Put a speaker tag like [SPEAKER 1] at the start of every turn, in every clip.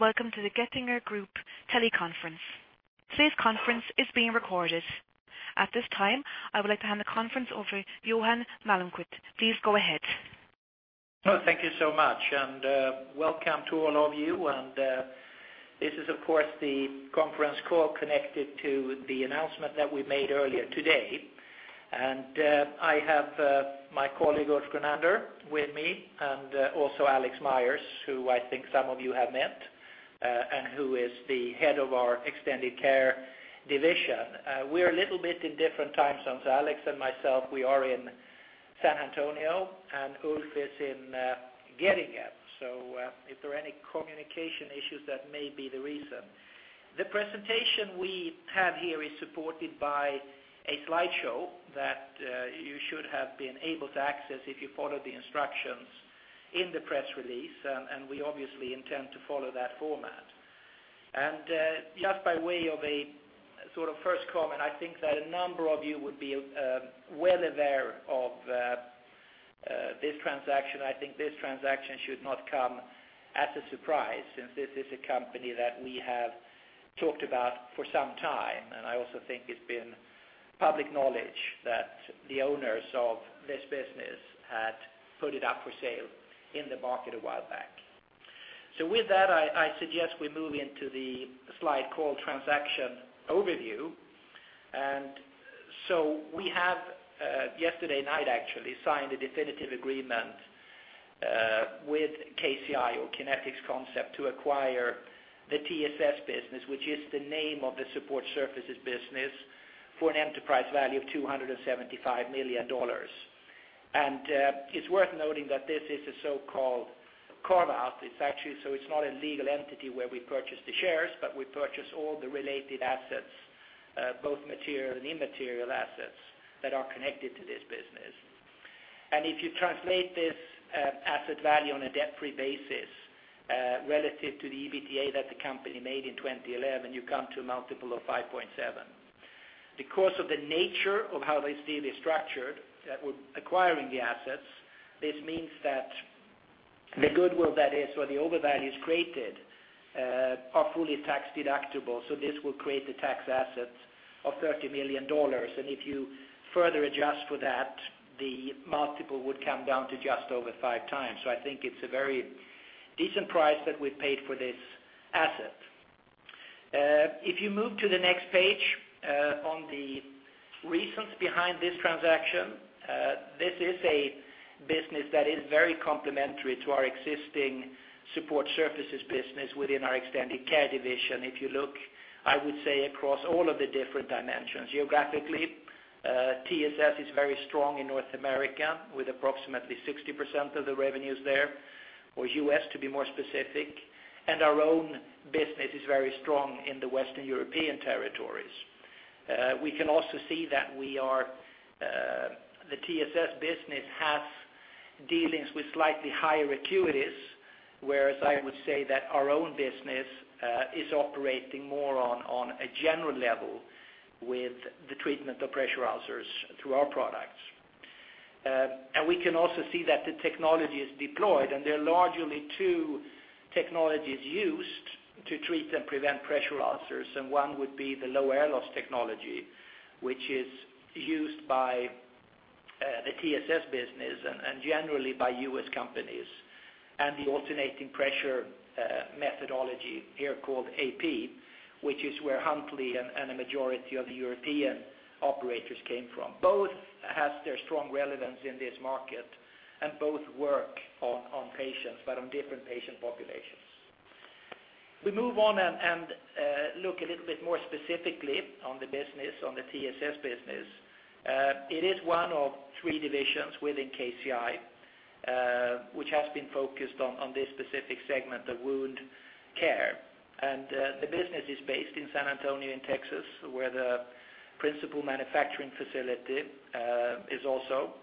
[SPEAKER 1] Welcome to the Getinge Group teleconference. Today's conference is being recorded. At this time, I would like to hand the conference over to Johan Malmquist. Please go ahead.
[SPEAKER 2] Oh, thank you so much, and welcome to all of you. This is, of course, the conference call connected to the announcement that we made earlier today. I have my colleague, Ulf Grunander, with me, and also Alex Myers, who I think some of you have met, and who is the head of our Extended Care division. We're a little bit in different time zones. Alex and myself, we are in San Antonio, and Ulf is in Getinge. So, if there are any communication issues, that may be the reason. The presentation we have here is supported by a slideshow that you should have been able to access if you followed the instructions in the press release, and we obviously intend to follow that format. Just by way of a sort of first comment, I think that a number of you would be, well aware of, this transaction. I think this transaction should not come as a surprise since this is a company that we have talked about for some time. And I also think it's been public knowledge that the owners of this business had put it up for sale in the market a while back. So with that, I suggest we move into the slide called Transaction Overview. And so we have, yesterday night, actually signed a definitive agreement, with KCI or Kinetic Concepts, to acquire the TSS business, which is the name of the Support Surfaces business, for an enterprise value of $275 million. And, it's worth noting that this is a so-called carve-out. It's actually, so it's not a legal entity where we purchase the shares, but we purchase all the related assets, both material and immaterial assets that are connected to this business. And if you translate this, asset value on a debt-free basis, relative to the EBITDA that the company made in 2011, you come to a multiple of 5.7x. Because of the nature of how this deal is structured, that we're acquiring the assets, this means that the goodwill that is, or the overvalue is created, are fully tax-deductible, so this will create a tax asset of $30 million. And if you further adjust for that, the multiple would come down to just over 5x. So I think it's a very decent price that we've paid for this asset. If you move to the next page, on the reasons behind this transaction, this is a business that is very complementary to our existing support services business within our Extended Care division. If you look, I would say, across all of the different dimensions. Geographically, TSS is very strong in North America, with approximately 60% of the revenues there, or US, to be more specific, and our own business is very strong in the Western European territories. We can also see that we are, the TSS business has dealings with slightly higher acuities, whereas I would say that our own business, is operating more on, on a general level with the treatment of pressure ulcers through our products. And we can also see that the technology is deployed, and there are largely two technologies used to treat and prevent pressure ulcers, and one would be the Low Air Loss technology, which is used by the TSS business and generally by US companies, and the Alternating Pressure methodology here called AP, which is where Huntleigh and a majority of the European operators came from. Both has their strong relevance in this market, and both work on patients, but on different patient populations. We move on and look a little bit more specifically on the business, on the TSS business. It is one of three divisions within KCI, which has been focused on this specific segment, the wound care. The business is based in San Antonio, Texas, where the principal manufacturing facility is also.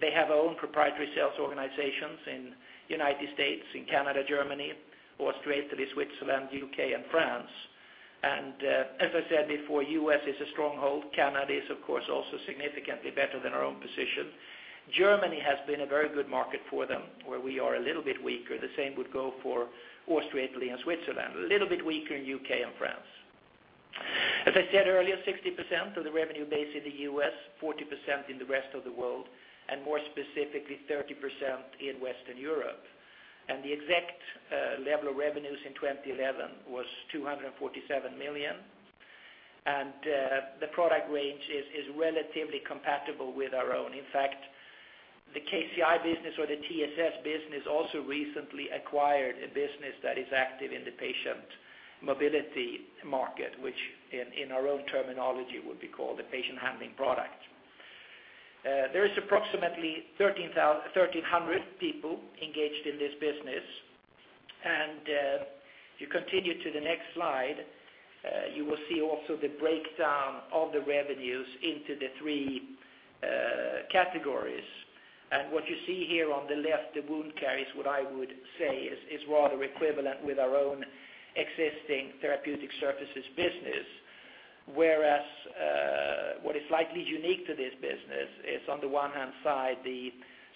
[SPEAKER 2] They have own proprietary sales organizations in United States, in Canada, Germany, Australia, Switzerland, U.K., and France. And, as I said before, U.S. is a stronghold. Canada is, of course, also significantly better than our own position. Germany has been a very good market for them, where we are a little bit weaker. The same would go for Australia and Switzerland, a little bit weaker in U.K. and France. As I said earlier, 60% of the revenue base in the U.S., 40% in the rest of the world, and more specifically, 30% in Western Europe. And the exact level of revenues in 2011 was $247 million, and the product range is relatively compatible with our own. In fact, the KCI business or the TSS business also recently acquired a business that is active in the patient mobility market, which in our own terminology, would be called a patient handling product. There is approximately 1,300 people engaged in this business. If you continue to the next slide, you will see also the breakdown of the revenues into the three categories. What you see here on the left, the wound care, is what I would say is rather equivalent with our own existing therapeutic services business. Whereas, what is likely unique to this business is, on the one hand side, the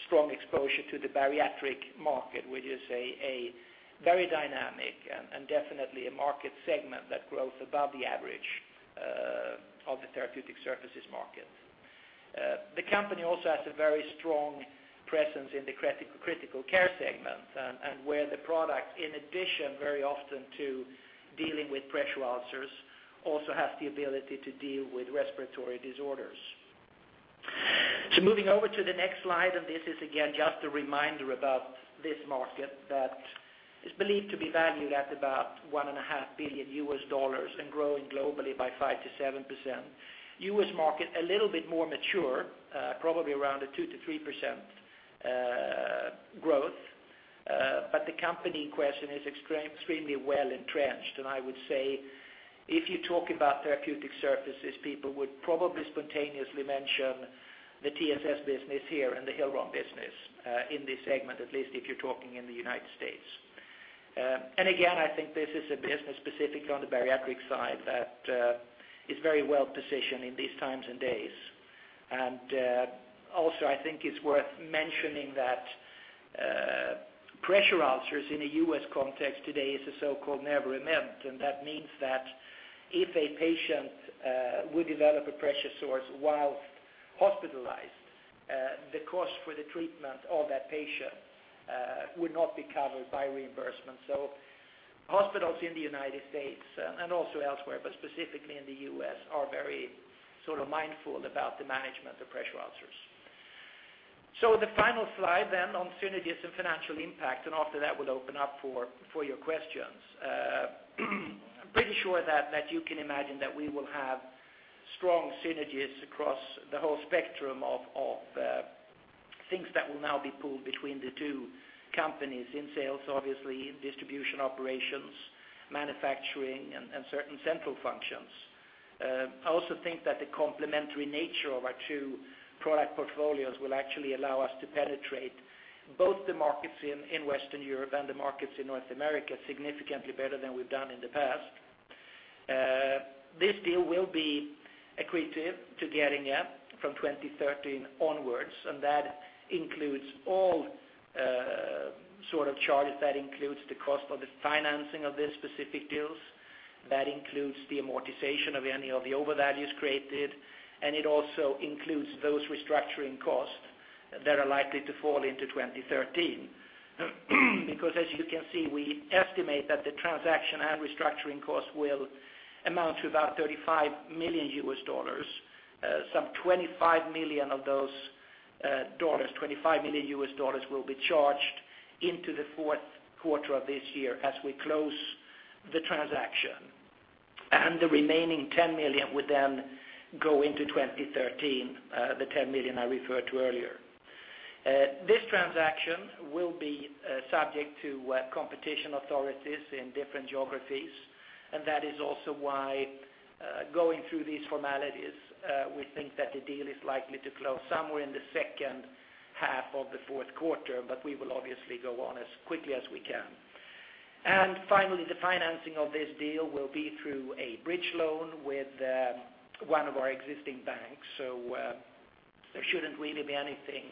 [SPEAKER 2] strong exposure to the bariatric market, which is a very dynamic and definitely a market segment that grows above the average of the therapeutic services market. The company also has a very strong presence in the Critical Care segment and where the product, in addition, very often to dealing with pressure ulcers, also has the ability to deal with respiratory disorders. So moving over to the next slide, and this is, again, just a reminder about this market that is believed to be valued at about $1.5 billion and growing globally by 5%-7%. US market, a little bit more mature, probably around a 2%-3% growth. But the company in question is extremely well entrenched, and I would say if you talk about therapeutic surfaces, people would probably spontaneously mention the TSS business here and the Hill-Rom business, in this segment, at least if you're talking in the United States. And again, I think this is a business, specifically on the bariatric side, that is very well positioned in these times and days. And also, I think it's worth mentioning that pressure ulcers in a U.S. context today is a so-called Never Event, and that means that if a patient would develop a pressure ulcer while hospitalized, the cost for the treatment of that patient would not be covered by reimbursement. So hospitals in the United States, and also elsewhere, but specifically in the U.S., are very sort of mindful about the management of pressure ulcers. So the final slide then on synergies and financial impact, and after that, we'll open up for your questions. I'm pretty sure that you can imagine that we will have strong synergies across the whole spectrum of things that will now be pulled between the two companies in sales, obviously in distribution operations, manufacturing, and certain central functions. I also think that the complementary nature of our two product portfolios will actually allow us to penetrate both the markets in Western Europe and the markets in North America significantly better than we've done in the past. This deal will be accretive to Getinge from 2013 onwards, and that includes all sort of charges. That includes the cost of the financing of this specific deals, that includes the amortization of any of the overvalues created, and it also includes those restructuring costs that are likely to fall into 2013. Because, as you can see, we estimate that the transaction and restructuring costs will amount to about $35 million. Some 25 million of those dollars, $25 million, will be charged into the fourth quarter of this year as we close the transaction. And the remaining 10 million would then go into 2013, the 10 million I referred to earlier. This transaction will be subject to competition authorities in different geographies, and that is also why, going through these formalities, we think that the deal is likely to close somewhere in the second half of the fourth quarter, but we will obviously go on as quickly as we can. And finally, the financing of this deal will be through a bridge loan with one of our existing banks. So, there shouldn't really be anything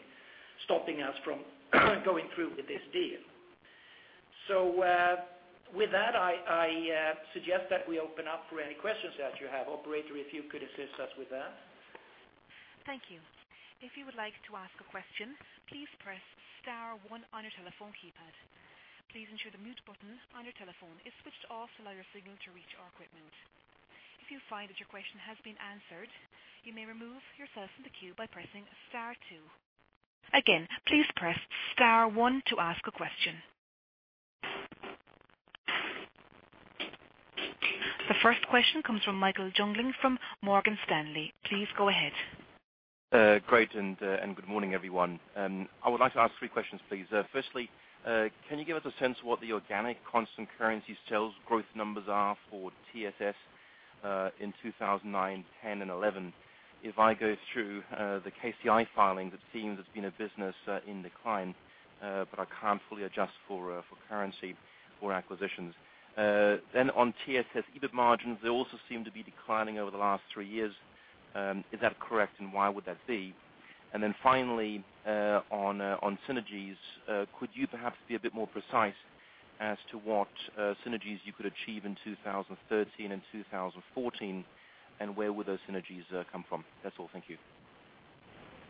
[SPEAKER 2] stopping us from going through with this deal. So, with that, I suggest that we open up for any questions that you have. Operator, if you could assist us with that.
[SPEAKER 1] Thank you. If you would like to ask a question, please press star one on your telephone keypad. Please ensure the mute button on your telephone is switched off to allow your signal to reach our equipment. If you find that your question has been answered, you may remove yourself from the queue by pressing star two. Again, please press star one to ask a question. The first question comes from Michael Jüngling from Morgan Stanley. Please go ahead.
[SPEAKER 3] Great, and good morning, everyone. I would like to ask three questions, please. Firstly, can you give us a sense of what the organic constant currencies sales growth numbers are for TSS in 2009, 2010 and 2011? If I go through the KCI filings, it seems it's been a business in decline, but I can't fully adjust for currency or acquisitions. On TSS EBIT margins, they also seem to be declining over the last three years. Is that correct, and why would that be? And then finally, on synergies, could you perhaps be a bit more precise as to what synergies you could achieve in 2013 and 2014, and where would those synergies come from? That's all. Thank you.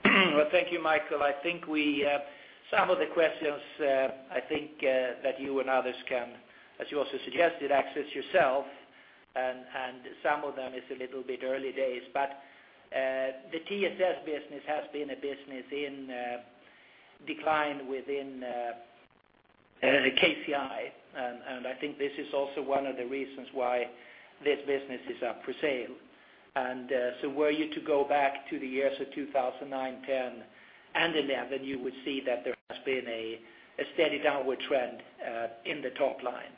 [SPEAKER 2] Well, thank you, Michael. I think we, some of the questions, I think, that you and others can, as you also suggested, access yourself, and, and some of them is a little bit early days. But, the TSS business has been a business in, decline within, the KCI, and, and I think this is also one of the reasons why this business is up for sale. And, so were you to go back to the years of 2009, 2010, and 2011, you would see that there has been a, a steady downward trend, in the top line.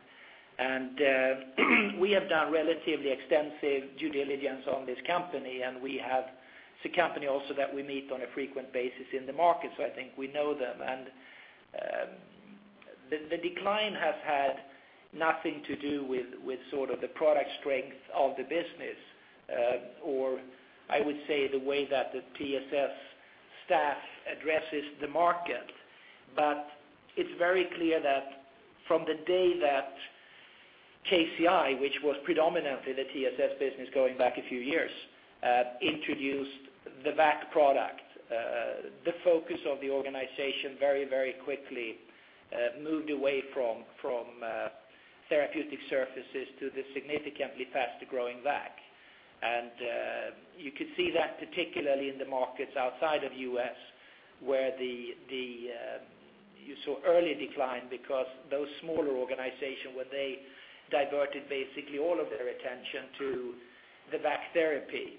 [SPEAKER 2] And, we have done relatively extensive due diligence on this company, and we have—it's a company also that we meet on a frequent basis in the market, so I think we know them. The decline has had nothing to do with sort of the product strength of the business, or I would say, the way that the TSS staff addresses the market. But it's very clear that from the day that KCI, which was predominantly the TSS business going back a few years, introduced the V.A.C. product, the focus of the organization very, very quickly moved away from therapeutic surfaces to the significantly faster-growing V.A.C. You could see that particularly in the markets outside of U.S., where you saw early decline because those smaller organization where they diverted basically all of their attention to the V.A.C. therapy.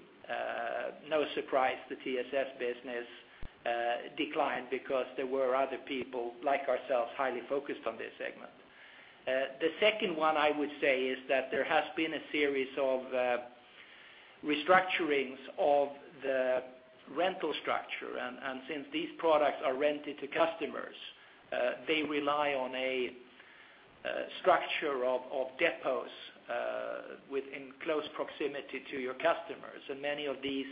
[SPEAKER 2] No surprise, the TSS business declined because there were other people, like ourselves, highly focused on this segment. The second one I would say, is that there has been a series of restructurings of the rental structure. And since these products are rented to customers, they rely on a structure of depots within close proximity to your customers. And many of these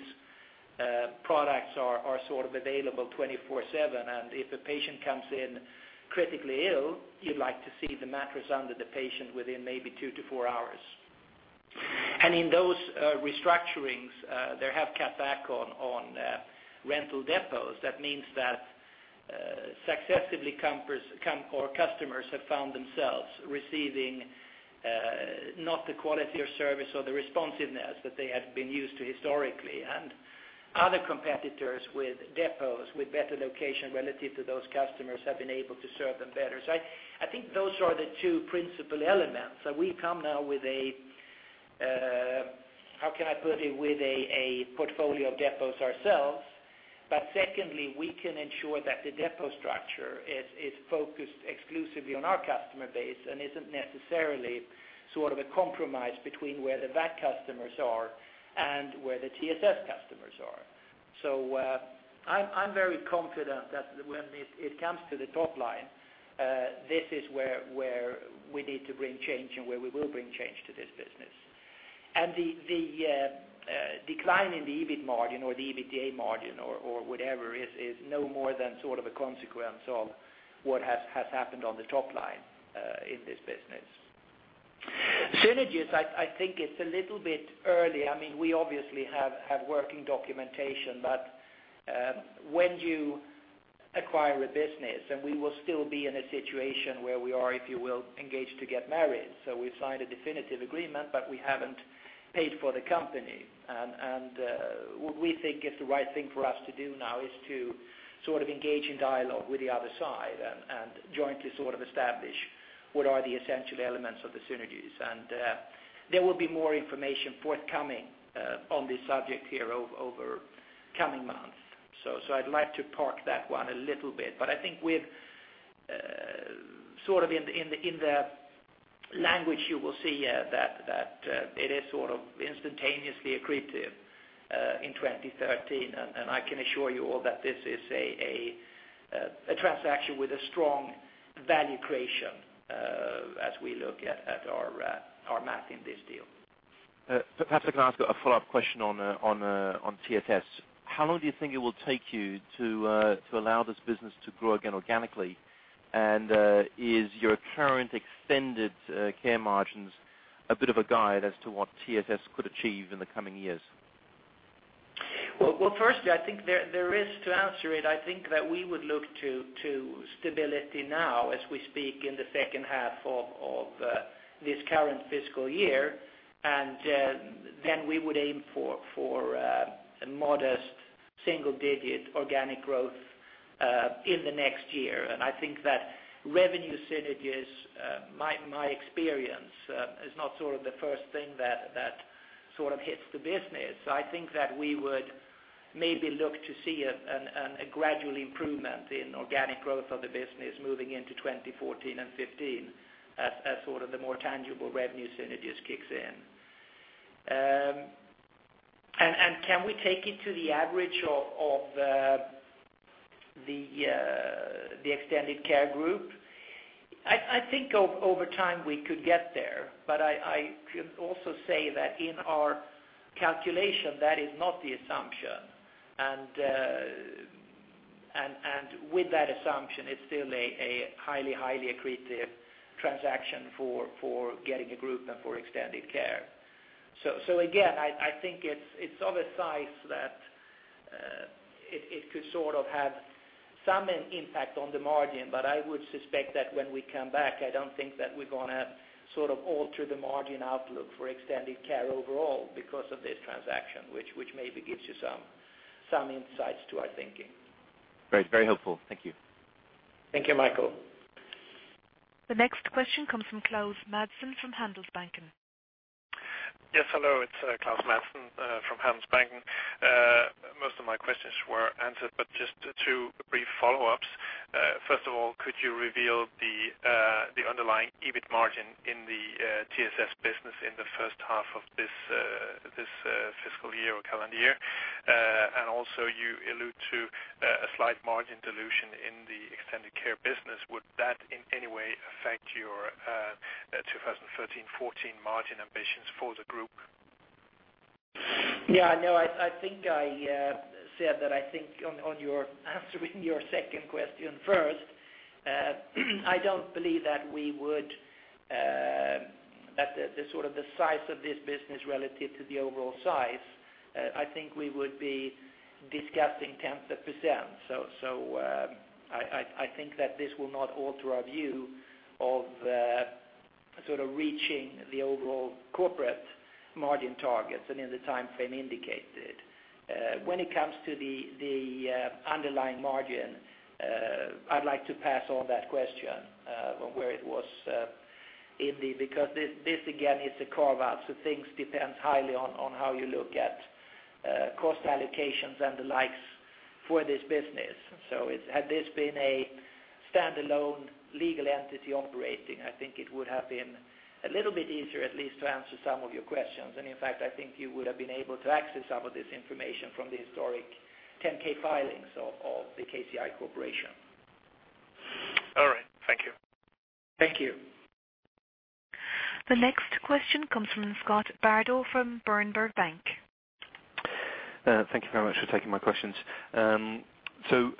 [SPEAKER 2] products are sort of available 24/7, and if a patient comes in critically ill, you'd like to see the mattress under the patient within maybe 2-4 hours. And in those restructurings, they have cut back on rental depots. That means that successively customers have found themselves receiving not the quality or service or the responsiveness that they have been used to historically. And other competitors with depots with better location relative to those customers have been able to serve them better. So I think those are the two principal elements. So we come now with a, how can I put it? With a portfolio of depots ourselves. But secondly, we can ensure that the depot structure is focused exclusively on our customer base and isn't necessarily sort of a compromise between where the VAC customers are and where the TSS customers are. So, I'm very confident that when it comes to the top line, this is where we need to bring change and where we will bring change to this business. And the decline in the EBIT margin or the EBITDA margin or whatever, is no more than sort of a consequence of what has happened on the top line, in this business. Synergies, I think it's a little bit early. I mean, we obviously have working documentation, but when you acquire a business, and we will still be in a situation where we are, if you will, engaged to get married. So we've signed a definitive agreement, but we haven't paid for the company. And what we think is the right thing for us to do now is to sort of engage in dialogue with the other side and jointly sort of establish what are the essential elements of the synergies. And there will be more information forthcoming on this subject here over coming months. So I'd like to park that one a little bit. But I think with sort of in the language, you will see that it is sort of instantaneously accretive in 2013. I can assure you all that this is a transaction with a strong value creation, as we look at our math in this deal.
[SPEAKER 3] Perhaps I can ask a follow-up question on TSS. How long do you think it will take you to allow this business to grow again organically? And is your current Extended Care margins a bit of a guide as to what TSS could achieve in the coming years?
[SPEAKER 2] Well, well, firstly, I think there is to answer it. I think that we would look to stability now as we speak, in the second half of this current fiscal year. And then we would aim for a modest single digit organic growth in the next year. And I think that revenue synergies, my experience, is not sort of the first thing that sort of hits the business. I think that we would maybe look to see a gradual improvement in organic growth of the business moving into 2014 and 2015, as sort of the more tangible revenue synergies kicks in. And can we take it to the average of the Extended Care group? I think over time, we could get there, but I can also say that in our calculation, that is not the assumption. And with that assumption, it's still a highly accretive transaction for Getinge Group and for Extended Care. So again, I think it's of a size that it could sort of have some impact on the margin, but I would suspect that when we come back, I don't think that we're gonna sort of alter the margin outlook for Extended Care overall because of this transaction, which maybe gives you some insights to our thinking.
[SPEAKER 3] Great. Very helpful. Thank you.
[SPEAKER 2] Thank you, Michael.
[SPEAKER 1] The next question comes from Klaus Madsen, from Handelsbanken.
[SPEAKER 4] Yes, hello. It's Klaus Madsen from Handelsbanken. Most of my questions were answered, but just two brief follow-ups. First of all, could you reveal the underlying EBIT margin in the TSS business in the first half of this fiscal year or calendar year. And also you allude to a slight margin dilution in the Extended Care business. Would that in any way affect your 2013-14 margin ambitions for the group?
[SPEAKER 2] Yeah, I know. I think I said that, I think on, on your, answering your second question first. I don't believe that we would, that the, the sort of the size of this business relative to the overall size, I think we would be discussing tenths of percent. I think that this will not alter our view of sort of reaching the overall corporate margin targets and in the timeframe indicated. When it comes to the, the underlying margin, I'd like to pass on that question, on where it was, in the-- because this, this again, is a carve out, so things depends highly on, on how you look at cost allocations and the likes for this business. So it had this been a standalone legal entity operating, I think it would have been a little bit easier, at least, to answer some of your questions. In fact, I think you would have been able to access some of this information from the historic 10-K filings of the KCI Corporation.
[SPEAKER 4] All right. Thank you.
[SPEAKER 2] Thank you.
[SPEAKER 1] The next question comes from Scott Bardo from Berenberg Bank.
[SPEAKER 5] Thank you very much for taking my questions. So,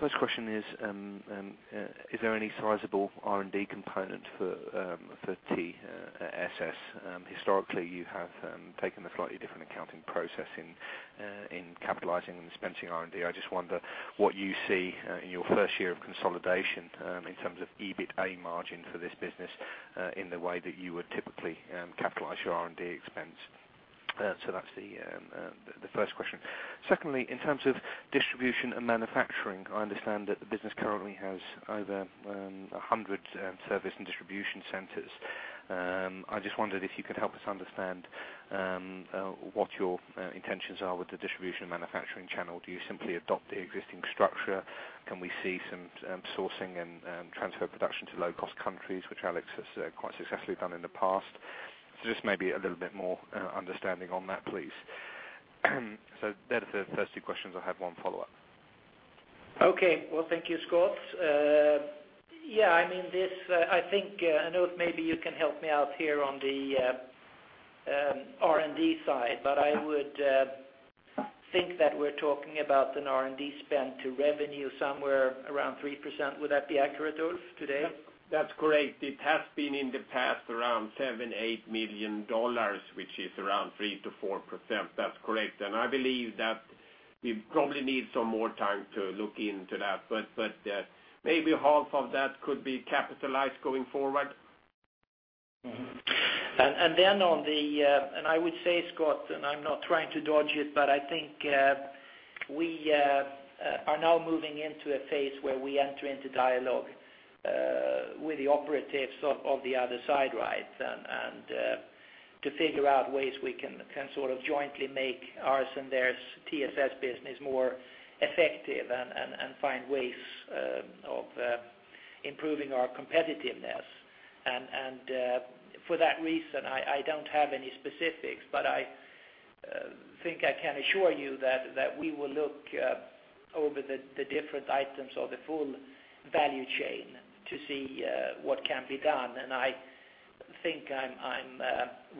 [SPEAKER 5] first question is, is there any sizable R&D component for TSS? Historically, you have taken a slightly different accounting process in capitalizing and expensing R&D. I just wonder what you see in your first year of consolidation in terms of EBITA margin for this business in the way that you would typically capitalize your R&D expense. So that's the first question. Secondly, in terms of distribution and manufacturing, I understand that the business currently has over 100 service and distribution centers. I just wondered if you could help us understand what your intentions are with the distribution and manufacturing channel. Do you simply adopt the existing structure? Can we see some sourcing and transfer production to low-cost countries, which Alex has quite successfully done in the past? So just maybe a little bit more understanding on that, please. So they're the first two questions. I have one follow-up.
[SPEAKER 2] Okay. Well, thank you, Scott. Yeah, I mean, this, I think, I know maybe you can help me out here on the R&D side, but I would think that we're talking about an R&D spend to revenue somewhere around 3%. Would that be accurate, Ulf, today?
[SPEAKER 6] That's correct. It has been in the past, around $7 million-$8 million, which is around 3%-4%. That's correct. I believe that we probably need some more time to look into that, but maybe half of that could be capitalized going forward.
[SPEAKER 2] Mm-hmm. And then on the, and I would say, Scott, and I'm not trying to dodge it, but I think we are now moving into a phase where we enter into dialogue with the operatives of the other side, right? And to figure out ways we can sort of jointly make ours and theirs TSS business more effective and find ways of improving our competitiveness. And for that reason, I don't have any specifics, but I think I can assure you that we will look over the different items or the full value chain to see what can be done. And I think I'm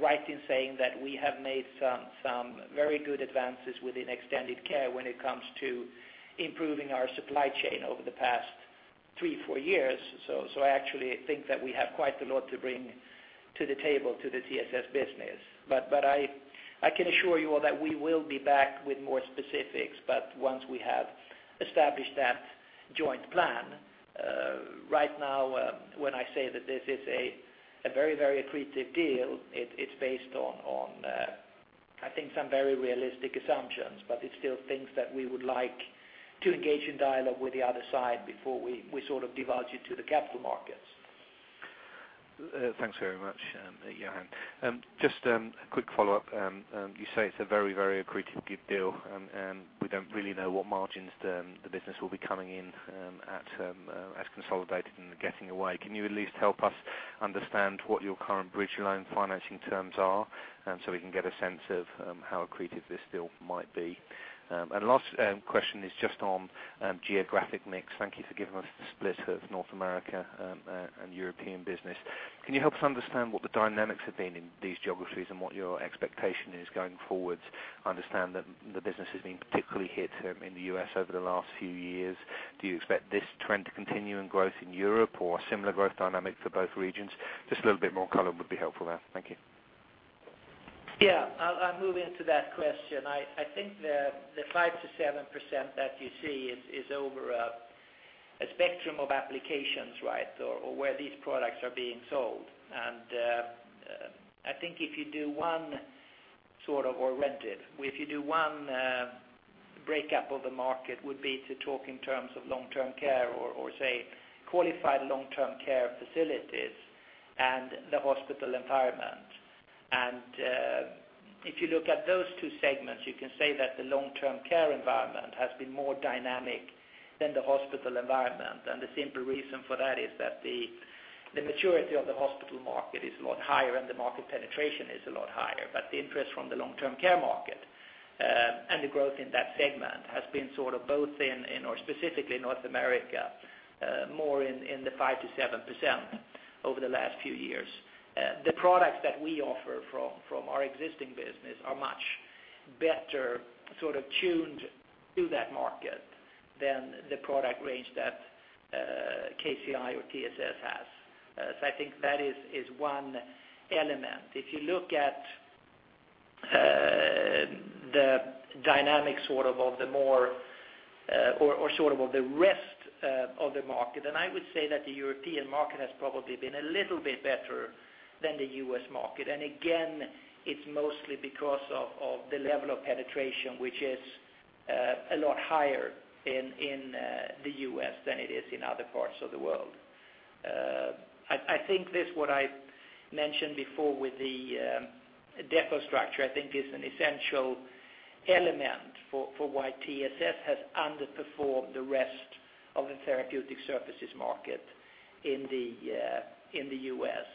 [SPEAKER 2] right in saying that we have made some very good advances within Extended Care when it comes to improving our supply chain over the past 3-4 years. So I actually think that we have quite a lot to bring to the table, to the TSS business. But I can assure you all that we will be back with more specifics, but once we have established that joint plan. Right now, when I say that this is a very, very accretive deal, it's based on I think some very realistic assumptions, but it's still things that we would like to engage in dialogue with the other side before we sort of divulge it to the capital markets.
[SPEAKER 5] Thanks very much, Johan. Just a quick follow-up. You say it's a very, very accretive deal, and we don't really know what margins the business will be coming in at, as consolidated in the Getinge. Can you at least help us understand what your current bridge loan financing terms are, so we can get a sense of how accretive this deal might be? And last question is just on geographic mix. Thank you for giving us the split of North America and European business. Can you help us understand what the dynamics have been in these geographies and what your expectation is going forward? I understand that the business has been particularly hit in the US over the last few years. Do you expect this trend to continue in growth in Europe or a similar growth dynamic for both regions? Just a little bit more color would be helpful there. Thank you.
[SPEAKER 2] Yeah, I'll move into that question. I think the 5%-7% that you see is over a spectrum of applications, right? Or where these products are being sold. And I think if you do one sort of breakdown of the market, would be to talk in terms Long-Term Care or say Long-Term Care facilities and the hospital environment. And if you look at those two segments, you can say that Long-Term Care environment has been more dynamic than the hospital environment. And the simple reason for that is that the maturity of the hospital market is a lot higher, and the market penetration is a lot higher. The interest from Long-Term Care market and the growth in that segment has been sort of both in, in or specifically North America, more in the 5%-7% over the last few years. The products that we offer from our existing business are much better sort of tuned to that market than the product range that KCI or TSS has. I think that is one element. If you look at the dynamic sort of, of the more, or sort of, of the rest of the market, then I would say that the European market has probably been a little bit better than the U.S. market. And again, it's mostly because of the level of penetration, which is a lot higher in the U.S. than it is in other parts of the world. I think this, what I mentioned before with the depot structure, I think is an essential element for why TSS has underperformed the rest of the therapeutic services market in the U.S.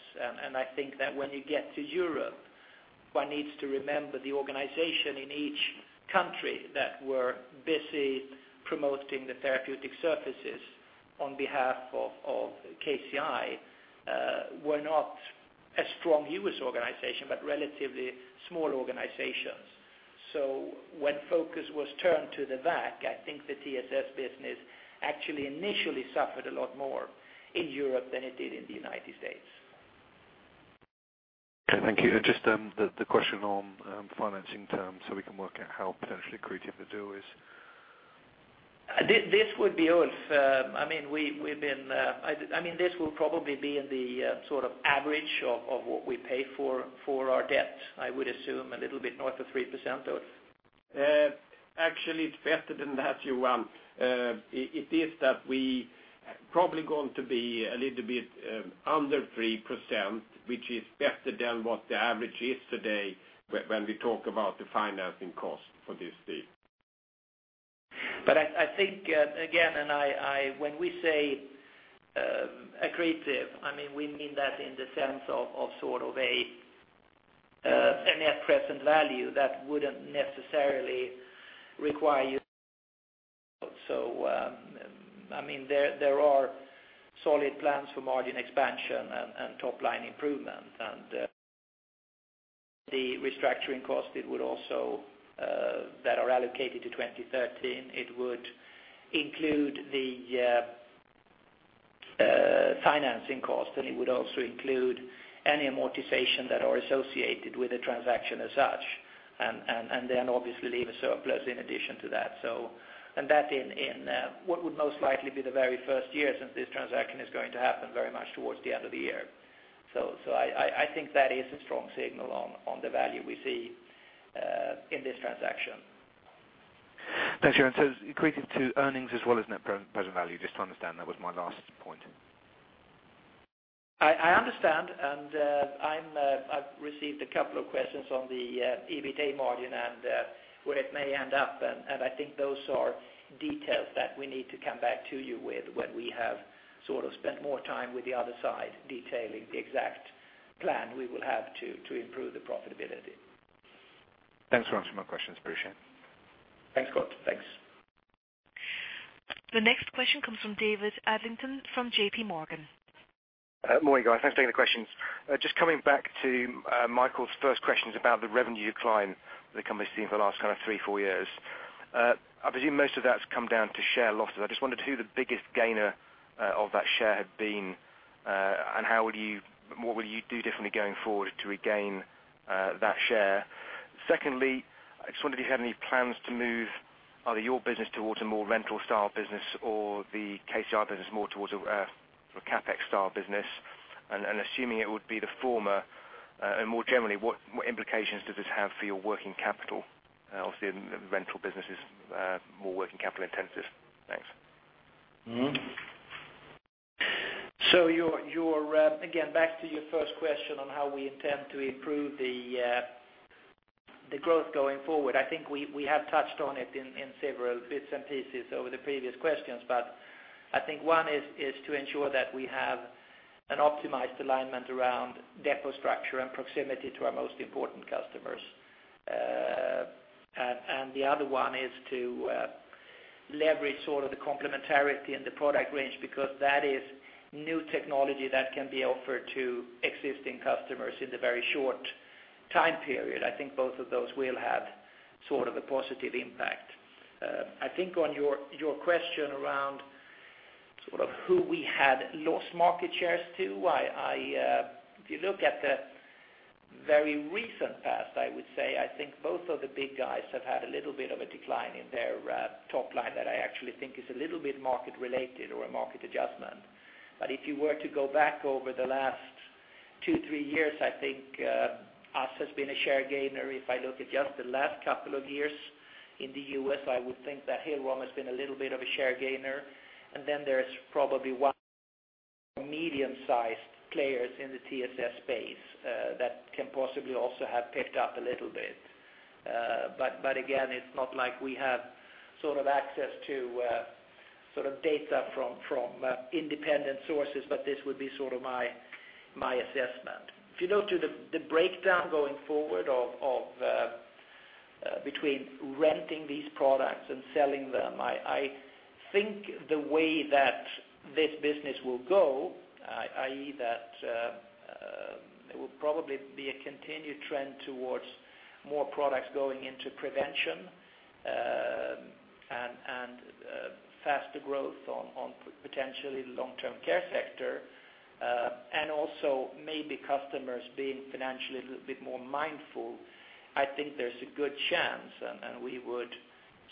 [SPEAKER 2] And I think that when you get to Europe, one needs to remember the organization in each country that were busy promoting the therapeutic services on behalf of KCI were not a strong U.S. organization, but relatively small organizations. So when focus was turned to the V.A.C., I think the TSS business actually initially suffered a lot more in Europe than it did in the United States.
[SPEAKER 5] Thank you. And just the question on financing terms, so we can work out how potentially accretive the deal is.
[SPEAKER 2] This would be Ulf. I mean, we've been—I mean, this will probably be in the sort of average of what we pay for our debt. I would assume a little bit north of 3%, Ulf?
[SPEAKER 6] Actually, it's better than that, Johan. It is that we probably going to be a little bit under 3%, which is better than what the average is today when we talk about the financing cost for this deal.
[SPEAKER 2] But I think, again, when we say, accretive, I mean, we mean that in the sense of sort of a net present value that wouldn't necessarily require you. So, I mean, there are solid plans for margin expansion and top-line improvement, and the restructuring cost that are allocated to 2013, it would include the financing cost, and it would also include any amortization that are associated with the transaction as such, and then obviously leave a surplus in addition to that. So, that in what would most likely be the very first year, since this transaction is going to happen very much towards the end of the year. So, I think that is a strong signal on the value we see in this transaction.
[SPEAKER 5] Thanks, Johan. So accretive to earnings as well as net present value, just to understand, that was my last point.
[SPEAKER 2] I understand, and I've received a couple of questions on the EBITA margin and where it may end up. I think those are details that we need to come back to you with, when we have sort of spent more time with the other side, detailing the exact plan we will have to improve the profitability.
[SPEAKER 5] Thanks for answering my questions. Appreciate it.
[SPEAKER 2] Thanks, Scott. Thanks.
[SPEAKER 1] The next question comes from David Adlington, from JPMorgan.
[SPEAKER 7] Morning, guys. Thanks for taking the questions. Just coming back to Michael's first questions about the revenue decline the company's seen for the last kind of 3, 4 years. I presume most of that's come down to share losses. I just wondered who the biggest gainer of that share had been, and how would you—what would you do differently going forward to regain that share? Secondly, I just wondered if you had any plans to move either your business towards a more rental style business or the KCI business more towards a CapEx style business? And assuming it would be the former, and more generally, what implications does this have for your working capital? Obviously, the rental business is more working capital-intensive. Thanks.
[SPEAKER 2] Mm-hmm. So your, your, again, back to your first question on how we intend to improve the, the growth going forward. I think we, we have touched on it in, in several bits and pieces over the previous questions. But I think one is, is to ensure that we have an optimized alignment around depot structure and proximity to our most important customers. And, and the other one is to, leverage sort of the complementarity in the product range, because that is new technology that can be offered to existing customers in a very short time period. I think both of those will have sort of a positive impact. I think on your question around sort of who we had lost market shares to, if you look at the very recent past, I would say I think both of the big guys have had a little bit of a decline in their top line, that I actually think is a little bit market related or a market adjustment. But if you were to go back over the last two, three years, I think us has been a share gainer. If I look at just the last couple of years in the U.S., I would think that Hill-Rom has been a little bit of a share gainer, and then there's probably one medium-sized players in the TSS space that can possibly also have picked up a little bit. But again, it's not like we have sort of access to sort of data from independent sources, but this would be sort of my assessment. If you go to the breakdown going forward of between renting these products and selling them, I think the way that this business will go, i.e., that it will probably be a continued trend towards more products going into prevention and faster growth on Long-Term Care sector and also maybe customers being financially a little bit more mindful. I think there's a good chance, and we would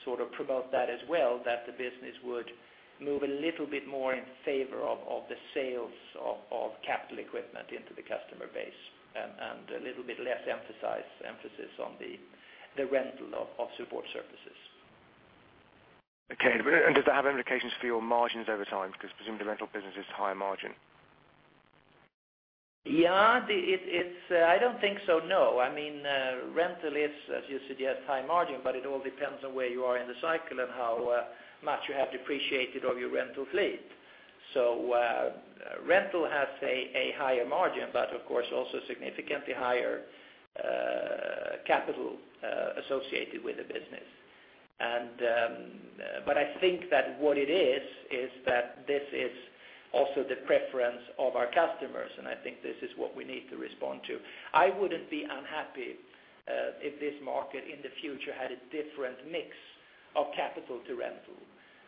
[SPEAKER 2] sort of promote that as well, that the business would move a little bit more in favor of the sales of capital equipment into the customer base, and a little bit less emphasis on the rental of support services.
[SPEAKER 7] Okay. And does that have implications for your margins over time? Because presumably, the rental business is higher margin.
[SPEAKER 2] Yeah, it's—I don't think so, no. I mean, rental is, as you said, yeah, high margin, but it all depends on where you are in the cycle and how much you have depreciated of your rental fleet. So, rental has a higher margin, but of course, also significantly higher capital associated with the business. And, but I think that what it is, is that this is also the preference of our customers, and I think this is what we need to respond to. I wouldn't be unhappy if this market in the future had a different mix of capital to rental,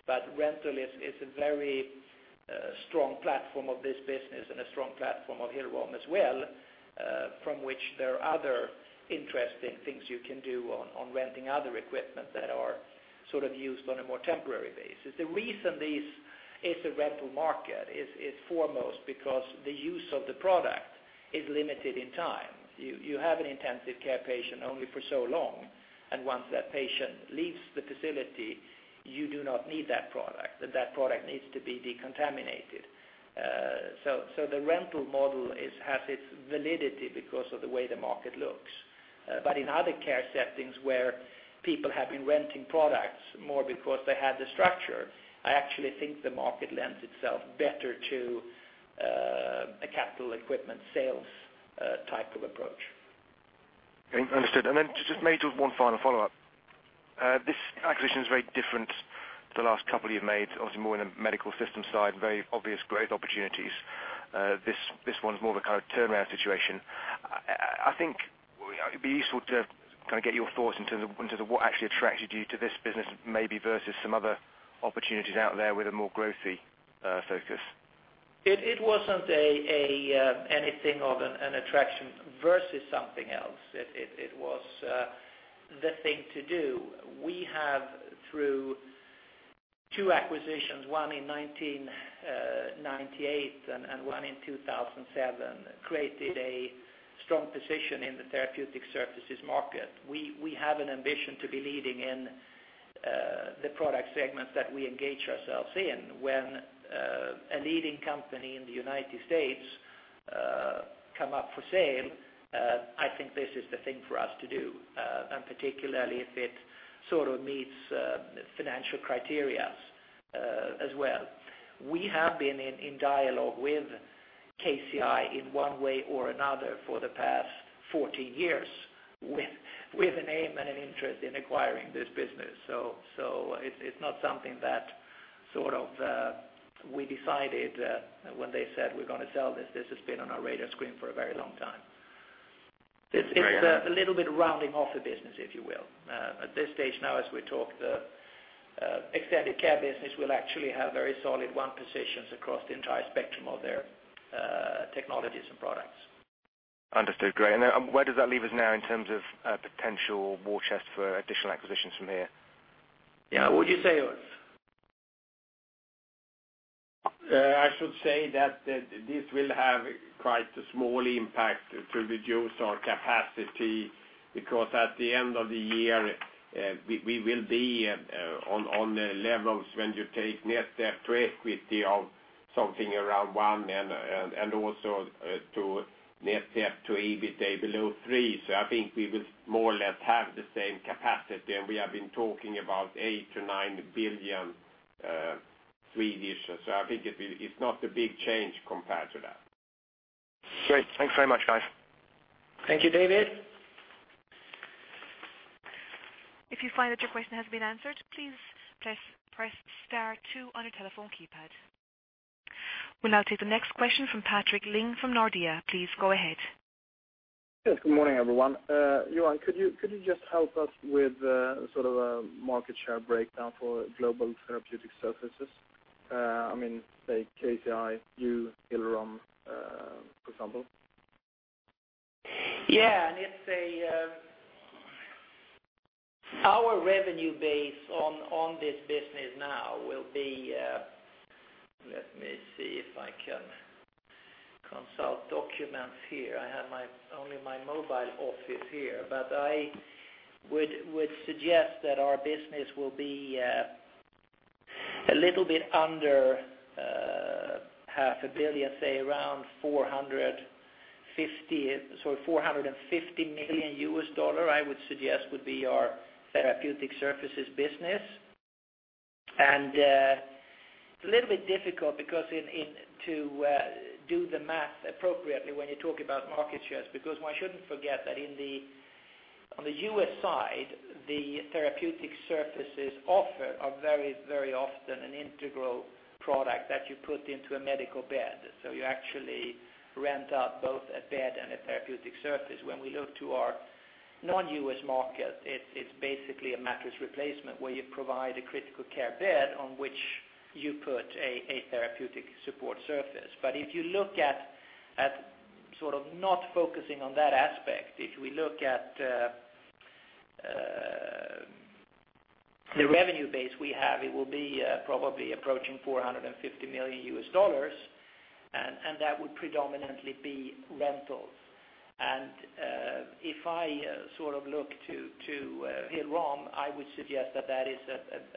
[SPEAKER 2] but rental is a very strong platform of this business and a strong platform of Hill-Rom as well, from which there are other interesting things you can do on renting other equipment that are sort of used on a more temporary basis. The reason this is a rental market is foremost because the use of the product is limited in time. You have an intensive care patient only for so long, and once that patient leaves the facility, you do not need that product, that product needs to be decontaminated. So, the rental model has its validity because of the way the market looks. But in other care settings where people have been renting products more because they had the structure, I actually think the market lends itself better to a capital equipment sales type of approach.
[SPEAKER 7] Okay, understood. And then just maybe one final follow-up. This acquisition is very different to the last couple you've made, obviously, more in a medical system side, very obvious growth opportunities. This one's more of a kind of turnaround situation. I think it'd be useful to kind of get your thoughts into what actually attracted you to this business, maybe versus some other opportunities out there with a more growthy focus.
[SPEAKER 2] It wasn't anything of an attraction versus something else. It was the thing to do. We have, through two acquisitions, one in 1998 and one in 2007, created a strong position in the therapeutic services market. We have an ambition to be leading in the product segments that we engage ourselves in. When a leading company in the United States come up for sale, I think this is the thing for us to do, and particularly if it sort of meets financial criteria, as well. We have been in dialogue with KCI in one way or another for the past 14 years, with an aim and an interest in acquiring this business. So, it's not something that sort of we decided when they said, "We're gonna sell this." This has been on our radar screen for a very long time. It's a little bit rounding off the business, if you will. At this stage now, as we talk, the Extended Care business will actually have very solid one positions across the entire spectrum of their technologies and products.
[SPEAKER 7] Understood. Great. And then where does that leave us now in terms of potential war chest for additional acquisitions from here?
[SPEAKER 2] Yeah, what would you say, Ulf?
[SPEAKER 6] I should say that, that this will have quite a small impact to reduce our capacity, because at the end of the year, we will be on the levels when you take net debt ratio with the of something around one, and also to net debt to EBITDA below three. So I think we will more or less have the same capacity, and we have been talking about 8 billion-9 billion. So I think it will; it's not a big change compared to that.
[SPEAKER 7] Great. Thanks very much, guys.
[SPEAKER 2] Thank you, David.
[SPEAKER 1] If you find that your question has been answered, please press, press star two on your telephone keypad. We'll now take the next question from Patrik Ling from Nordea. Please go ahead.
[SPEAKER 8] Yes, good morning, everyone. Johan, could you just help us with sort of a market share breakdown for global therapeutic services? I mean, say, KCI, you, Hill-Rom, for example.
[SPEAKER 2] Yeah, it's a... Our revenue base on this business now will be, let me see if I can consult documents here. I have only my mobile office here, but I would suggest that our business will be a little bit under half a billion, say around 450, so $450 million, I would suggest, would be our therapeutic services business. And it's a little bit difficult because in to do the math appropriately when you talk about market shares, because one shouldn't forget that in the on the US side, the therapeutic services offered are very, very often an integral product that you put into a medical bed. So you actually rent out both a bed and a therapeutic surface. When we look to our non-US market, it's basically a mattress replacement, where you provide a critical care bed on which you put a therapeutic support surface. But if you look at sort of not focusing on that aspect, if we look at the revenue base we have, it will be probably approaching $450 million, and that would predominantly be rentals. If I sort of look to Hill-Rom, I would suggest that that is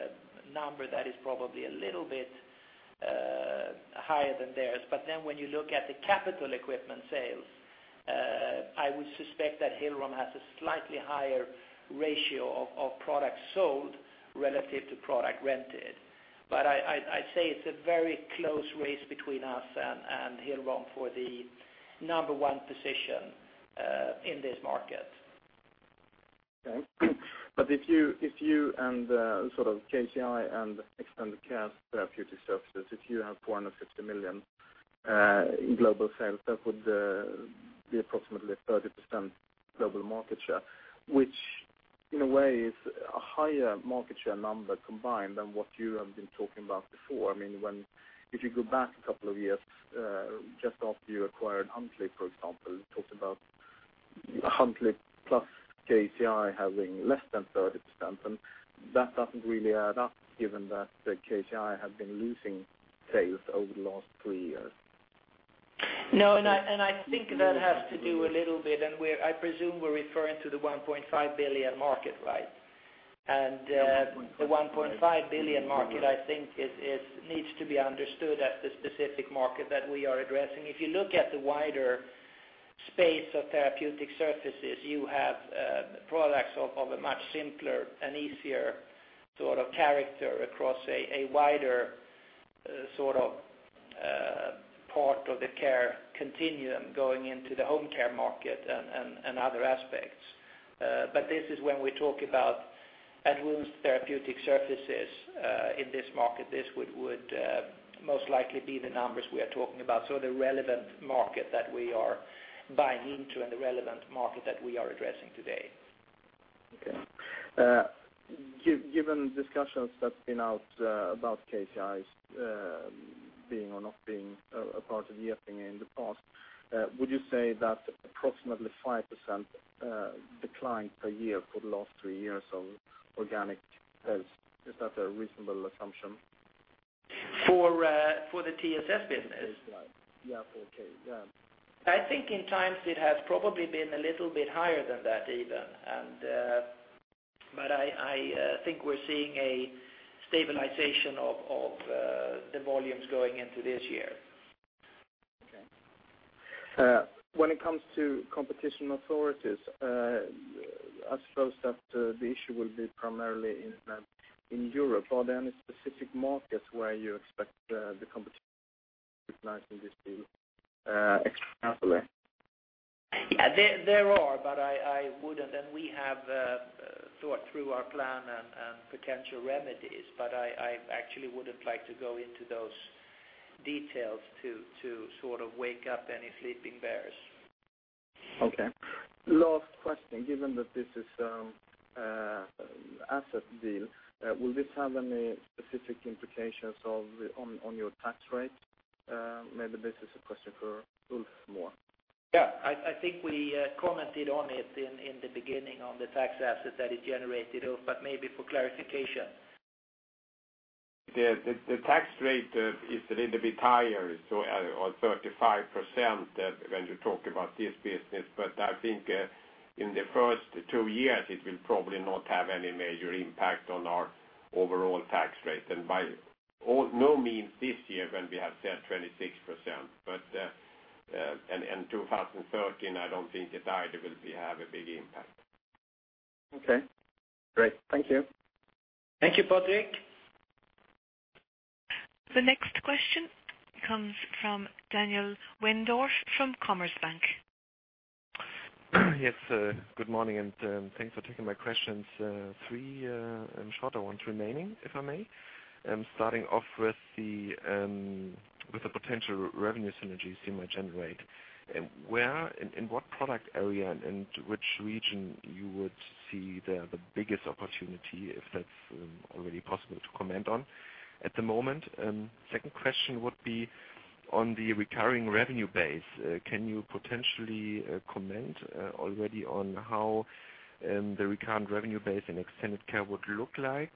[SPEAKER 2] a number that is probably a little bit higher than theirs. But then when you look at the capital equipment sales, I would suspect that Hill-Rom has a slightly higher ratio of products sold relative to product rented. But I'd say it's a very close race between us and Hill-Rom for the number one position in this market.
[SPEAKER 8] Okay. But if you and sort of KCI and Extended Care therapeutic services, if you have $450 million in global sales, that would be approximately 30% global market share, which in a way is a higher market share number combined than what you have been talking about before. I mean, if you go back a couple of years, just after you acquired Huntleigh, for example, you talked about Huntleigh plus KCI having less than 30%, and that doesn't really add up, given that the KCI have been losing sales over the last three years.
[SPEAKER 2] No, and I think that has to do a little bit. I presume we're referring to the $1.5 billion market, right?
[SPEAKER 8] Yeah.
[SPEAKER 2] The $1.5 billion market, I think, needs to be understood as the specific market that we are addressing. If you look at the wider space of therapeutic surfaces, you have products of a much simpler and easier sort of character across a wider sort of part of the care continuum going into the home care market and other aspects. This is when we talk about at wounds therapeutic surfaces. In this market, this would most likely be the numbers we are talking about. The relevant market that we are buying into and the relevant market that we are addressing today.
[SPEAKER 8] Okay. Given discussions that's been out about KCI's being or not being a part of Getinge in the past, would you say that approximately 5% decline per year for the last three years of organic sales is that a reasonable assumption?
[SPEAKER 2] For the TSS business?
[SPEAKER 8] Yeah. Okay, yeah.
[SPEAKER 2] I think in times it has probably been a little bit higher than that, even, and but I think we're seeing a stabilization of the volumes going into this year.
[SPEAKER 8] Okay. When it comes to competition authorities, I suppose that the issue will be primarily in Europe. Are there any specific markets where you expect the competition to extrapolate?
[SPEAKER 2] Yeah, there are, but I wouldn't—and we have thought through our plan and potential remedies, but I actually wouldn't like to go into those details to sort of wake up any sleeping bears.
[SPEAKER 8] Okay. Last question, given that this is asset deal, will this have any specific implications on your tax rate? Maybe this is a question for Ulf more.
[SPEAKER 2] Yeah, I, I think we commented on it in the beginning, on the tax asset that it generated, Ulf, but maybe for clarification.
[SPEAKER 6] The tax rate is a little bit higher, so on 35%, when you talk about this business, but I think in the first two years, it will probably not have any major impact on our overall tax rate, and by no means this year, when we have said 26%. But in 2013, I don't think it either will have a big impact.
[SPEAKER 8] Okay, great. Thank you.
[SPEAKER 2] Thank you, Patrik.
[SPEAKER 1] The next question comes from Daniel Wendorff from Commerzbank.
[SPEAKER 9] Yes, good morning, and, thanks for taking my questions. Three, and shorter ones remaining, if I may. I'm starting off with the, with the potential revenue synergies you might generate. Where, in, in what product area and, and which region you would see the, the biggest opportunity, if that's, already possible to comment on at the moment? Second question would be on the recurring revenue base. Can you potentially, comment, already on how, the recurrent revenue base in Extended Care would look like,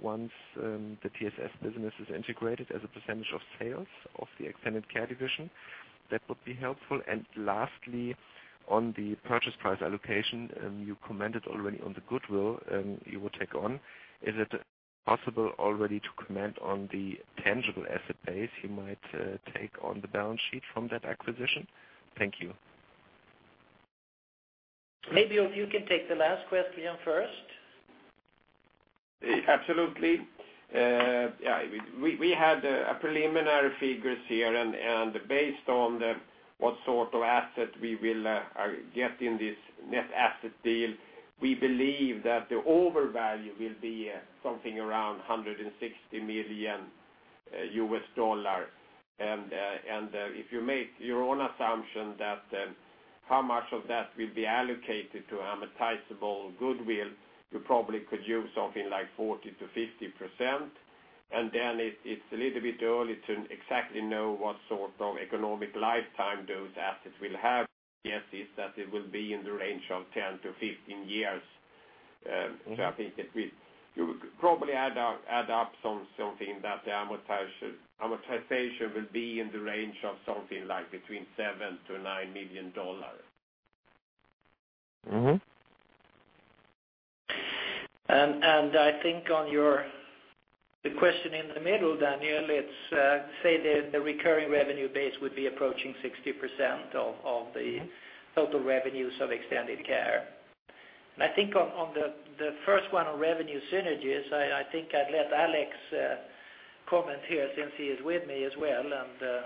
[SPEAKER 9] once, the TSS business is integrated as a percentage of sales of the Extended Care division?... That would be helpful. And lastly, on the purchase price allocation, you commented already on the goodwill, you will take on. Is it possible already to comment on the tangible asset base you might take on the balance sheet from that acquisition? Thank you.
[SPEAKER 2] Maybe you can take the last question first.
[SPEAKER 6] Absolutely. Yeah, we had preliminary figures here, and based on what sort of asset we will get in this net asset deal, we believe that the overvalue will be something around $160 million. And if you make your own assumption that how much of that will be allocated to amortizable goodwill, you probably could use something like 40%-50%. And then it's a little bit early to exactly know what sort of economic lifetime those assets will have. Guess is that it will be in the range of 10-15 years. So I think that you would probably add up something that the amortization will be in the range of something like between $7 million-$9 million.
[SPEAKER 9] Mm-hmm.
[SPEAKER 2] I think on your the question in the middle, Daniel, it's say the recurring revenue base would be approaching 60% of the total revenues of Extended Care. I think on the first one on revenue synergies, I think I'd let Alex comment here since he is with me as well, and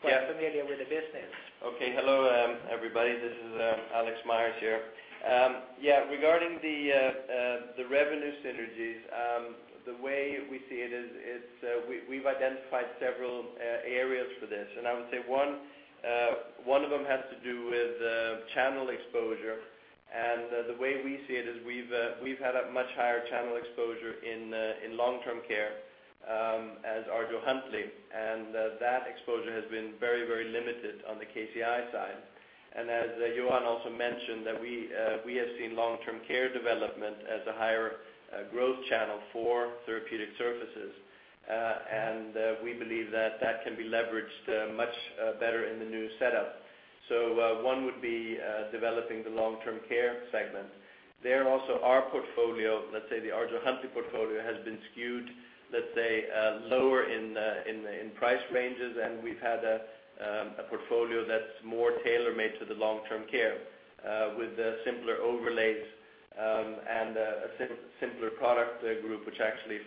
[SPEAKER 2] quite familiar with the business.
[SPEAKER 10] Okay. Hello, everybody, this is Alex Myers here. Yeah, regarding the revenue synergies, the way we see it is, it's we've identified several areas for this, and I would say one of them has to do with channel exposure. And the way we see it is we've had a much higher channel exposure Long-Term Care, as ArjoHuntleigh, and that exposure has been very, very limited on the KCI side. And as Johan also mentioned, that we have Long-Term Care development as a higher growth channel for therapeutic services. And we believe that that can be leveraged much better in the new setup. So, one would be developing Long-Term Care segment. There also, our portfolio, let's say, the ArjoHuntleigh portfolio, has been skewed, let's say, lower in price ranges, and we've had a portfolio that's more tailor-made to Long-Term Care, with simpler overlays, and a simpler product group, which actually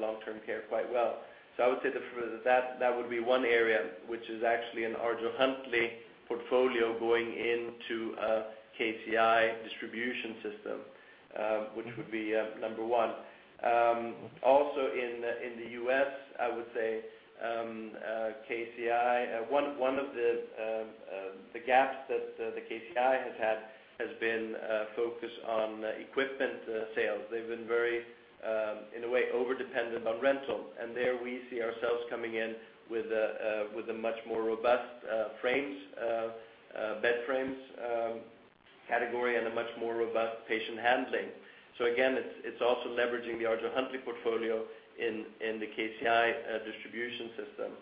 [SPEAKER 10] Long-Term Care quite well. So I would say that for that, that would be one area which is actually an ArjoHuntleigh portfolio going into a KCI distribution system, which would be number one. Also in the US, I would say, KCI, one of the gaps that the KCI has had, has been focus on equipment sales. They've been very, in a way, over-dependent on rental, and there we see ourselves coming in with a with a much more robust, frames, bed frames, category, and a much more robust patient handling. So again, it's also leveraging the ArjoHuntleigh portfolio in the KCI distribution system.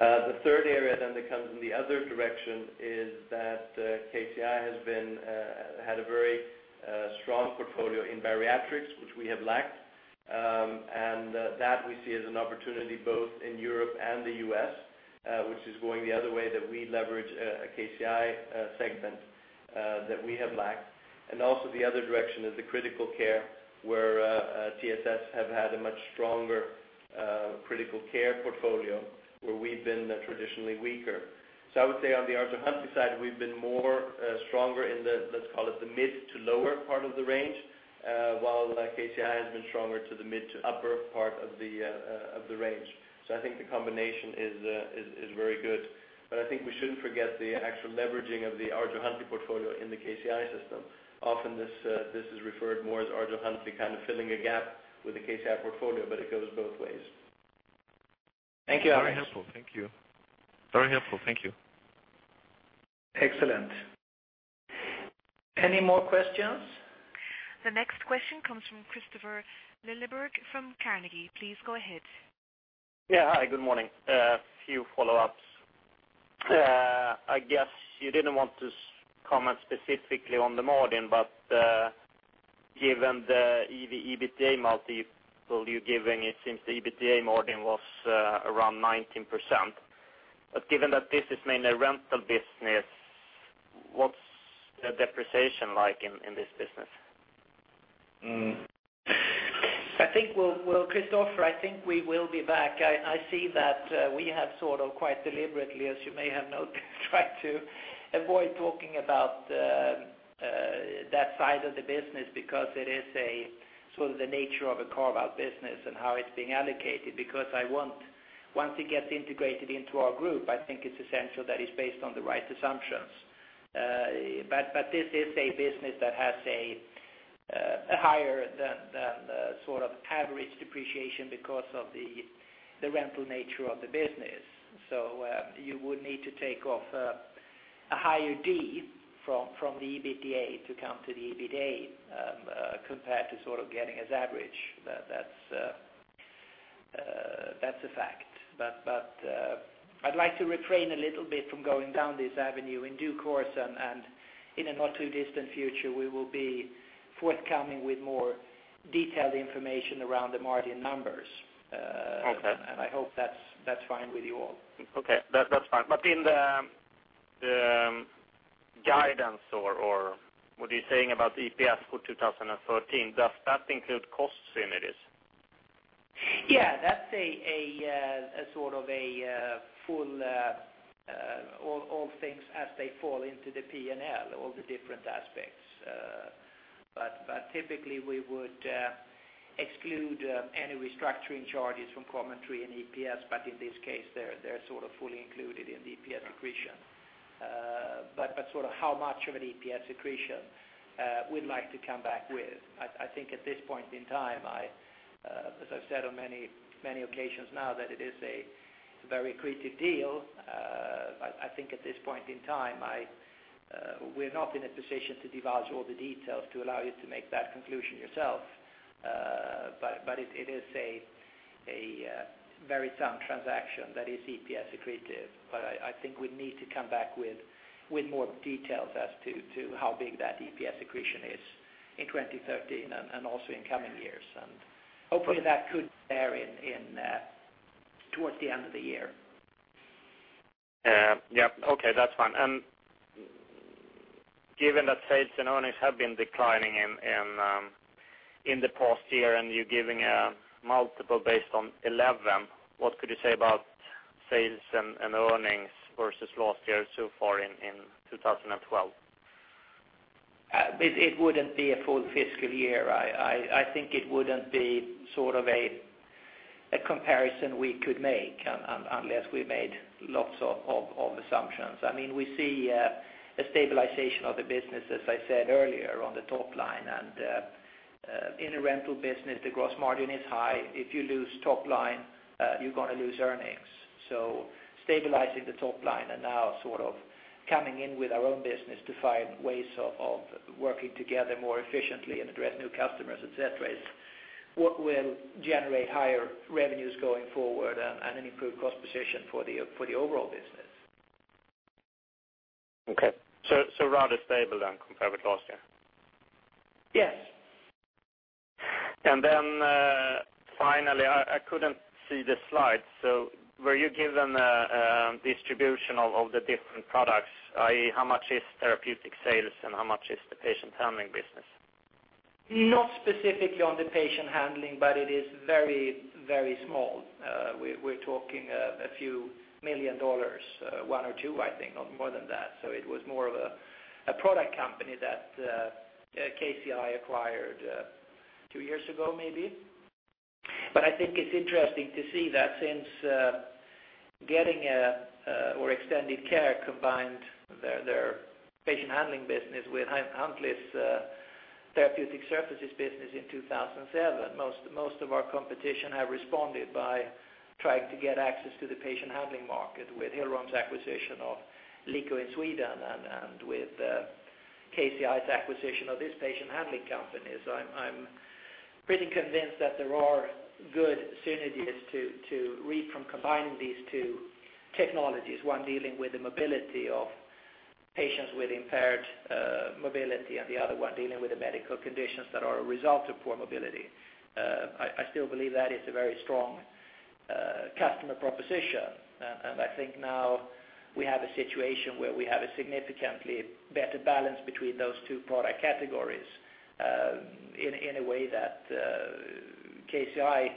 [SPEAKER 10] The third area then that comes in the other direction is that KCI has had a very strong portfolio in bariatrics, which we have lacked. And that we see as an opportunity both in Europe and the U.S., which is going the other way, that we leverage a KCI segment that we have lacked. And also the other direction is the critical care, where TSS have had a much stronger critical care portfolio, where we've been traditionally weaker. So I would say on the ArjoHuntleigh side, we've been more, stronger in the, let's call it, the mid to lower part of the range, while KCI has been stronger to the mid to upper part of the range. So I think the combination is very good. But I think we shouldn't forget the actual leveraging of the ArjoHuntleigh portfolio in the KCI system. Often this is referred more as ArjoHuntleigh kind of filling a gap with the KCI portfolio, but it goes both ways.
[SPEAKER 2] Thank you, Alex.
[SPEAKER 9] Very helpful, thank you. Very helpful, thank you.
[SPEAKER 2] Excellent. Any more questions?
[SPEAKER 1] The next question comes from Kristofer Liljeberg, from Carnegie. Please go ahead.
[SPEAKER 11] Yeah, hi, good morning. A few follow-ups. I guess you didn't want to comment specifically on the margin, but, given the EV-EBITDA multiple you're giving, it seems the EBITDA margin was around 19%. But given that this is mainly rental business, what's the depreciation like in this business?
[SPEAKER 2] I think we'll, well, Kristofer, I think we will be back. I see that we have sort of quite deliberately, as you may have noted, tried to avoid talking about that side of the business, because it is a sort of the nature of a carve-out business and how it's being allocated. Because I want, once it gets integrated into our group, I think it's essential that it's based on the right assumptions. But this is a business that has a higher than the sort of average depreciation because of the rental nature of the business. So you would need to take off a higher D from the EBITDA to come to the EBITDA compared to sort of Getinge's average. That's a fact. But, I'd like to refrain a little bit from going down this avenue. In due course and in a not too distant future, we will be forthcoming with more detailed information around the margin numbers.
[SPEAKER 11] Okay.
[SPEAKER 2] I hope that's fine with you all.
[SPEAKER 11] Okay, that's fine. But in the guidance or what you're saying about EPS for 2013, does that include costs in it is?
[SPEAKER 2] Yeah, that's a sort of full, all things as they fall into the P&L, all the different aspects. But typically, we would exclude any restructuring charges from commentary and EPS, but in this case, they're sort of fully included in the EPS accretion. But sort of how much of an EPS accretion, we'd like to come back with. I think at this point in time, as I've said on many, many occasions now, that it is a very accretive deal. I think at this point in time, we're not in a position to divulge all the details to allow you to make that conclusion yourself. But it is a very sound transaction that is EPS accretive. But I think we need to come back with more details as to how big that EPS accretion is in 2013 and also in coming years. And hopefully, that could air in towards the end of the year.
[SPEAKER 11] Yeah. Okay, that's fine. Given that sales and earnings have been declining in the past year, and you're giving a multiple based on 11, what could you say about sales and earnings versus last year so far in 2012?
[SPEAKER 2] It wouldn't be a full fiscal year. I think it wouldn't be sort of a comparison we could make unless we made lots of assumptions. I mean, we see a stabilization of the business, as I said earlier, on the top line. And in a rental business, the gross margin is high. If you lose top line, you're gonna lose earnings. So stabilizing the top line and now sort of coming in with our own business to find ways of working together more efficiently and address new customers, et cetera, is what will generate higher revenues going forward and an improved cost position for the overall business.
[SPEAKER 11] Okay. So, so rather stable then compared with last year?
[SPEAKER 2] Yes.
[SPEAKER 11] And then, finally, I couldn't see the slide. So were you given a distribution of the different products, i.e., how much is therapeutic sales and how much is the patient handling business?
[SPEAKER 2] Not specifically on the patient handling, but it is very, very small. We're talking a few million dollars, $1 million or $2 million, I think, not more than that. So it was more of a product company that KCI acquired two years ago, maybe. But I think it's interesting to see that since Getinge or Extended Care combined their patient handling business with Huntleigh's therapeutic services business in 2007, most of our competition have responded by trying to get access to the patient handling market, with Hill-Rom's acquisition of Liko in Sweden and with KCI's acquisition of this patient handling company. So I'm pretty convinced that there are good synergies to reap from combining these two technologies, one dealing with the mobility of patients with impaired mobility, and the other one dealing with the medical conditions that are a result of poor mobility. I still believe that is a very strong customer proposition, and I think now we have a situation where we have a significantly better balance between those two product categories, in a way that KCI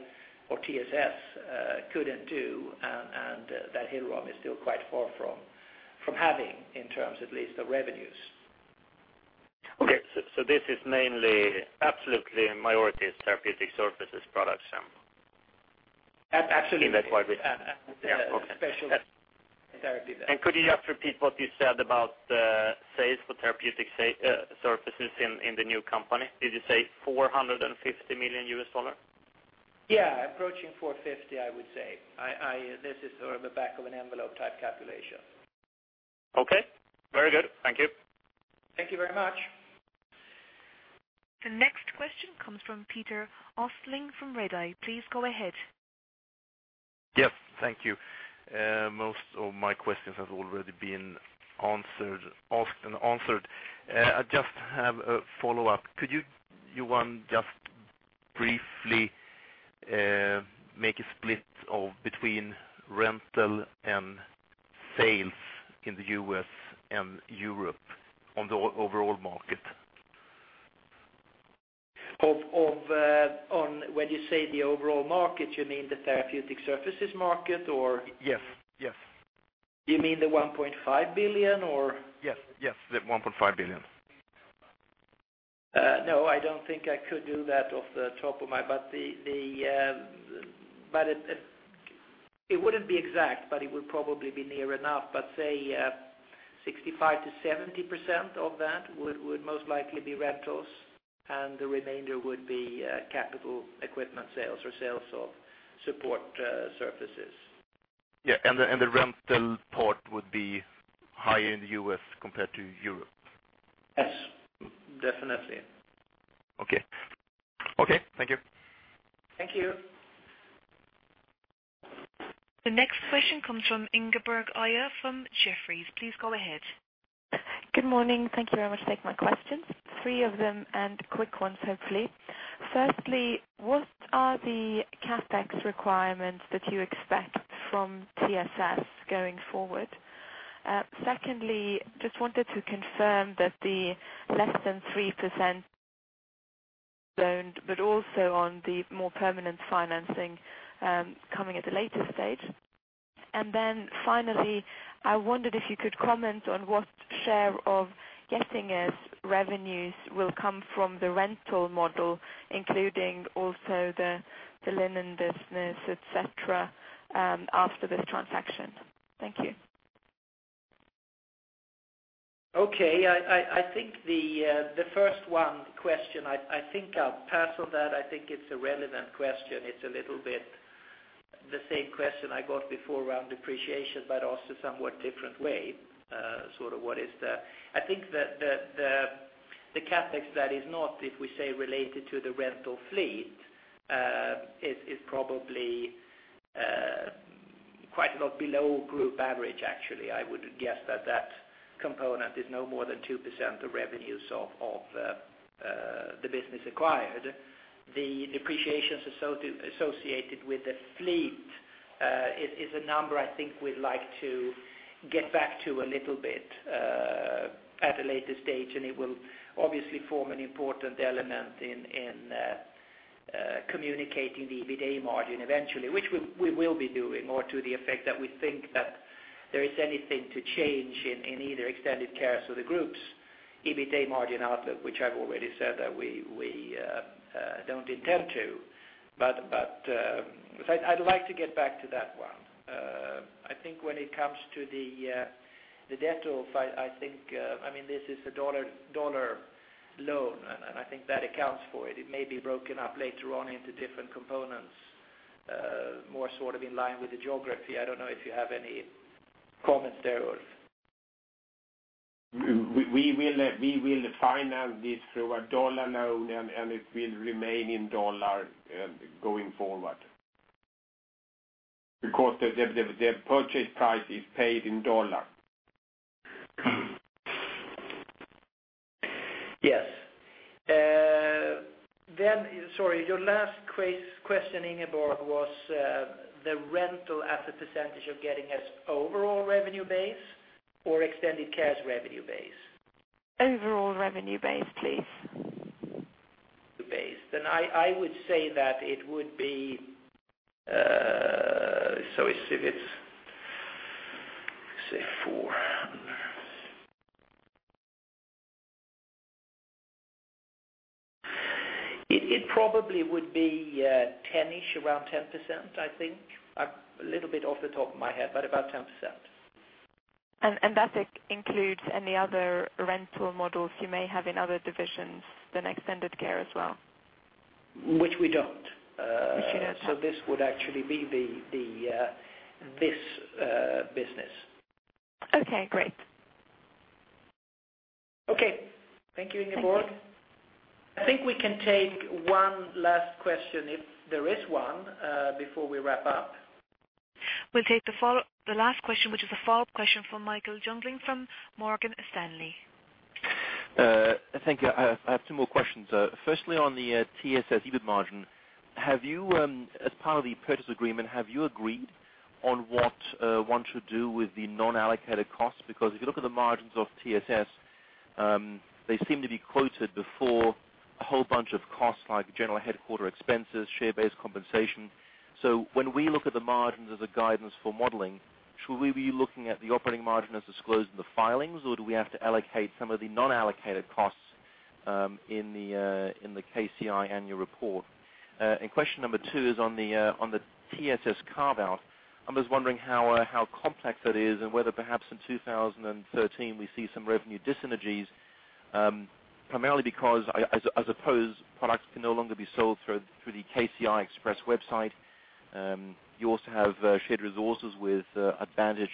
[SPEAKER 2] or TSS couldn't do, and that Hill-Rom is still quite far from having, in terms at least, the revenues.
[SPEAKER 11] Okay, so, so this is mainly, absolutely, a majority is therapeutic surfaces products then?
[SPEAKER 2] Absolutely.
[SPEAKER 11] In that wide business.
[SPEAKER 2] Special.
[SPEAKER 11] Okay.
[SPEAKER 2] Directly, yeah.
[SPEAKER 11] Could you just repeat what you said about the sales for therapeutic surfaces in the new company? Did you say $450 million?
[SPEAKER 2] Yeah, approaching 450, I would say. This is sort of a back of an envelope type calculation.
[SPEAKER 11] Okay, very good. Thank you.
[SPEAKER 2] Thank you very much.
[SPEAKER 1] The next question comes from Peter Östling, from Redeye. Please go ahead.
[SPEAKER 12] Yes, thank you. Most of my questions have already been answered, asked and answered. I just have a follow-up. Could you, Johan, just briefly, make a split of between rental and sales in the U.S. and Europe on the overall market?
[SPEAKER 2] When you say the overall market, you mean the therapeutic surfaces market or?
[SPEAKER 12] Yes, yes.
[SPEAKER 2] You mean the 1.5 billion or?
[SPEAKER 12] Yes, yes, the 1.5 billion.
[SPEAKER 2] No, I don't think I could do that off the top of my—but it wouldn't be exact, but it would probably be near enough. But say, 65%-70% of that would most likely be rentals, and the remainder would be capital equipment sales or sales of support surfaces.
[SPEAKER 12] Yeah, and the rental part would be higher in the U.S. compared to Europe?
[SPEAKER 2] Yes, definitely.
[SPEAKER 12] Okay. Okay, thank you.
[SPEAKER 2] Thank you.
[SPEAKER 1] The next question comes from Ingeborg Øie from Jefferies. Please go ahead.
[SPEAKER 13] Good morning. Thank you very much for taking my questions. Three of them, and quick ones, hopefully. Firstly, what are the CapEx requirements that you expect from TSS going forward? Secondly, just wanted to confirm that the less than 3% loan, but also on the more permanent financing, coming at a later stage. And then finally, I wondered if you could comment on what share of Getinge's revenues will come from the rental model, including also the, the linen business, et cetera, after this transaction. Thank you.
[SPEAKER 2] Okay. I think the first one, question, I think I'll pass on that. I think it's a relevant question. It's a little bit the same question I got before around depreciation, but also somewhat different way, sort of what is the-- I think the CapEx that is not, if we say, related to the rental fleet, is probably quite a lot below group average, actually. I would guess that that component is no more than 2% of revenues of the business acquired. The depreciations associated with the fleet is a number I think we'd like to get back to a little bit at a later stage, and it will obviously form an important element in communicating the EBITA margin eventually, which we will be doing, or to the effect that we think that there is anything to change in either Extended Care or the group's EBITA margin outlook, which I've already said that we don't intend to. But I'd like to get back to that one. I think when it comes to the debt off, I think I mean, this is a dollar dollar loan, and I think that accounts for it. It may be broken up later on into different components more sort of in line with the geography. I don't know if you have any comments there, Ulf?
[SPEAKER 6] We will finance this through a dollar loan, and it will remain in dollar going forward. Because the purchase price is paid in dollar.
[SPEAKER 2] Yes. Then, sorry, your last question, Ingeborg, was the rental as a percentage of Getinge's overall revenue base or Extended Care's revenue base?
[SPEAKER 13] Overall revenue base, please.
[SPEAKER 2] Base. Then I would say that it would be, so if it's, say, 4... It probably would be, 10-ish, around 10%, I think. A little bit off the top of my head, but about 10%.
[SPEAKER 13] And that includes any other rental models you may have in other divisions than Extended Care as well?
[SPEAKER 2] Which we don't.
[SPEAKER 13] Which you don't.
[SPEAKER 2] This would actually be the business.
[SPEAKER 13] Okay, great.
[SPEAKER 2] Okay. Thank you, Ingeborg.
[SPEAKER 13] Thank you.
[SPEAKER 2] I think we can take one last question, if there is one, before we wrap up.
[SPEAKER 1] We'll take the last question, which is a follow-up question from Michael Jüngling from Morgan Stanley.
[SPEAKER 3] Thank you. I have two more questions. Firstly, on the TSS EBIT margin, have you, as part of the purchase agreement, have you agreed on what one should do with the non-allocated costs? Because if you look at the margins of TSS, they seem to be quoted before a whole bunch of costs, like general headquarters expenses, share-based compensation. So when we look at the margins as a guidance for modeling, should we be looking at the operating margin as disclosed in the filings, or do we have to allocate some of the non-allocated costs in the KCI annual report? And question number two is on the TSS carve-out. I'm just wondering how, how complex that is and whether perhaps in 2013 we see some revenue dis-synergies, primarily because I, as I, as opposed, products can no longer be sold through, through the KCI Express website. You also have, shared resources with, Advantage,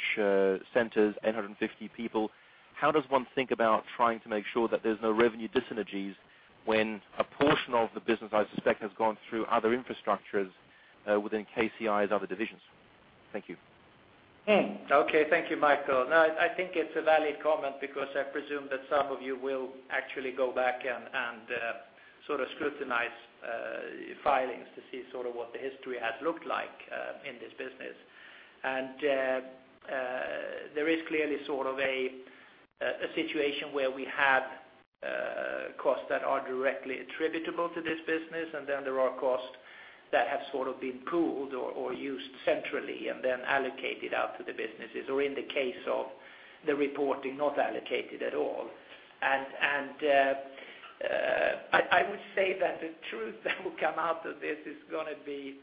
[SPEAKER 3] centers, 850 people. How does one think about trying to make sure that there's no revenue dis-synergies when a portion of the business, I suspect, has gone through other infrastructures, within KCI's other divisions? Thank you.
[SPEAKER 2] Hmm. Okay. Thank you, Michael. No, I think it's a valid comment because I presume that some of you will actually go back and sort of scrutinize filings to see sort of what the history has looked like in this business. There is clearly sort of a situation where we have costs that are directly attributable to this business, and then there are costs that have sort of been pooled or used centrally and then allocated out to the businesses, or in the case of the reporting, not allocated at all. I would say that the truth that will come out of this is gonna be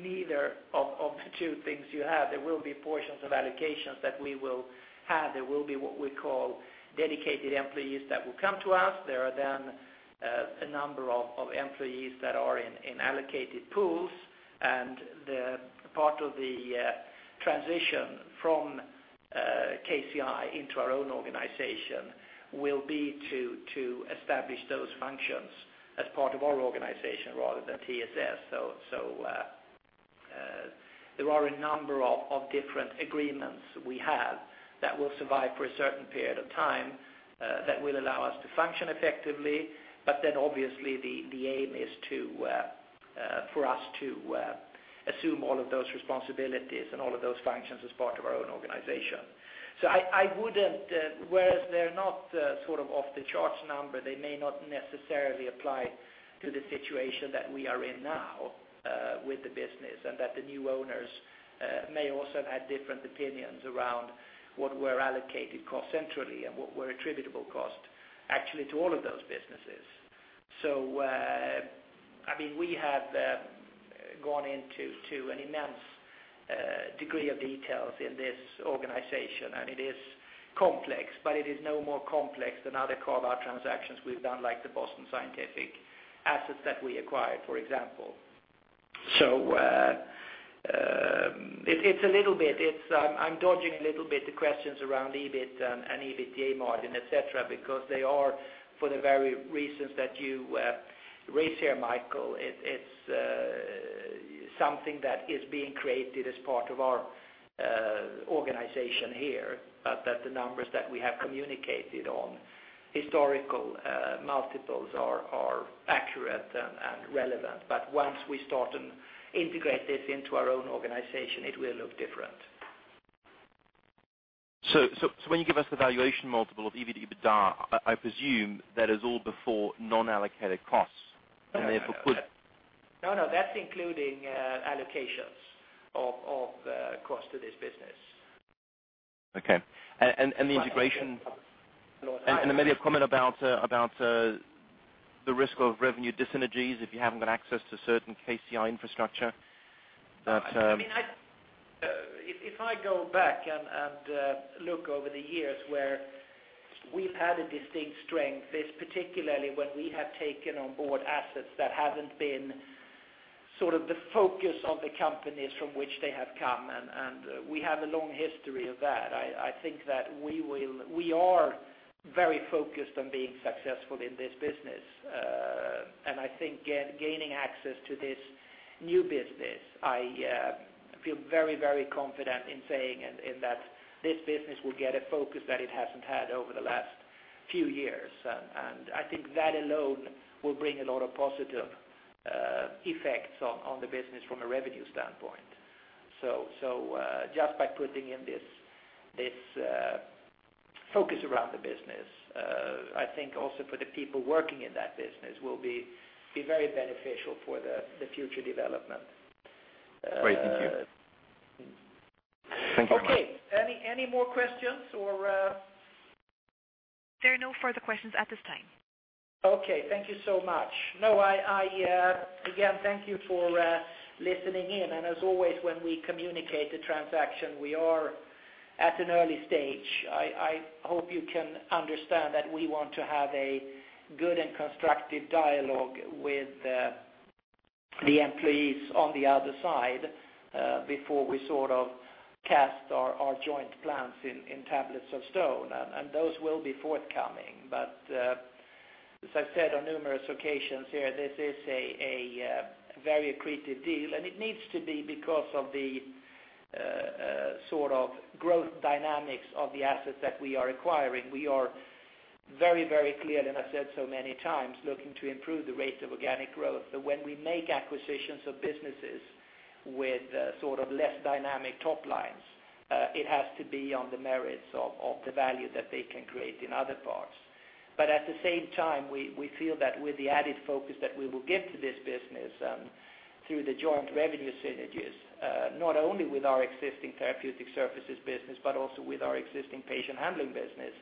[SPEAKER 2] neither of the two things you have. There will be portions of allocations that we will have. There will be what we call dedicated employees that will come to us. There are then a number of employees that are in allocated pools... and the part of the transition from KCI into our own organization will be to establish those functions as part of our organization rather than TSS. So there are a number of different agreements we have that will survive for a certain period of time that will allow us to function effectively. But then, obviously, the aim is for us to assume all of those responsibilities and all of those functions as part of our own organization. So I wouldn't, whereas they're not sort of off the charts number, they may not necessarily apply to the situation that we are in now with the business, and that the new owners may also have had different opinions around what were allocated cost centrally and what were attributable cost, actually, to all of those businesses. So, I mean, we have gone into an immense degree of details in this organization, and it is complex, but it is no more complex than other carve-out transactions we've done, like the Boston Scientific assets that we acquired, for example. So, it's a little bit... It's, I'm dodging a little bit the questions around EBIT and EBITDA margin, et cetera, because they are for the very reasons that you raised here, Michael. It's something that is being created as part of our organization here, but that the numbers that we have communicated on historical multiples are accurate and relevant. But once we start and integrate this into our own organization, it will look different.
[SPEAKER 3] When you give us the valuation multiple of EBITDA, I presume that is all before non-allocated costs, and therefore could-
[SPEAKER 2] No, no, that's including allocations of cost to this business.
[SPEAKER 3] Okay. And maybe a comment about the risk of revenue dis-synergies if you haven't got access to certain KCI infrastructure that-
[SPEAKER 2] I mean, if I go back and look over the years where we've had a distinct strength, is particularly when we have taken on board assets that haven't been sort of the focus of the companies from which they have come, and we have a long history of that. I think that we will—We are very focused on being successful in this business. And I think gaining access to this new business, I feel very, very confident in saying, and that this business will get a focus that it hasn't had over the last few years. And I think that alone will bring a lot of positive effects on the business from a revenue standpoint. Just by putting in this focus around the business, I think also for the people working in that business will be very beneficial for the future development.
[SPEAKER 3] Great. Thank you. Thank you very much.
[SPEAKER 2] Okay. Any more questions, or-
[SPEAKER 1] There are no further questions at this time.
[SPEAKER 2] Okay. Thank you so much. No, I, I, again, thank you for listening in. And as always, when we communicate the transaction, we are at an early stage. I, I hope you can understand that we want to have a good and constructive dialogue with the employees on the other side, before we sort of cast our our joint plans in in tablets of stone, and those will be forthcoming. But, as I said on numerous occasions here, this is a a very accretive deal, and it needs to be because of the sort of growth dynamics of the assets that we are acquiring. We are very, very clear, and I've said so many times, looking to improve the rates of organic growth. So when we make acquisitions of businesses with, sort of less dynamic top lines, it has to be on the merits of, of the value that they can create in other parts. But at the same time, we, we feel that with the added focus that we will give to this business, through the joint revenue synergies, not only with our existing therapeutic services business, but also with our existing patient handling business,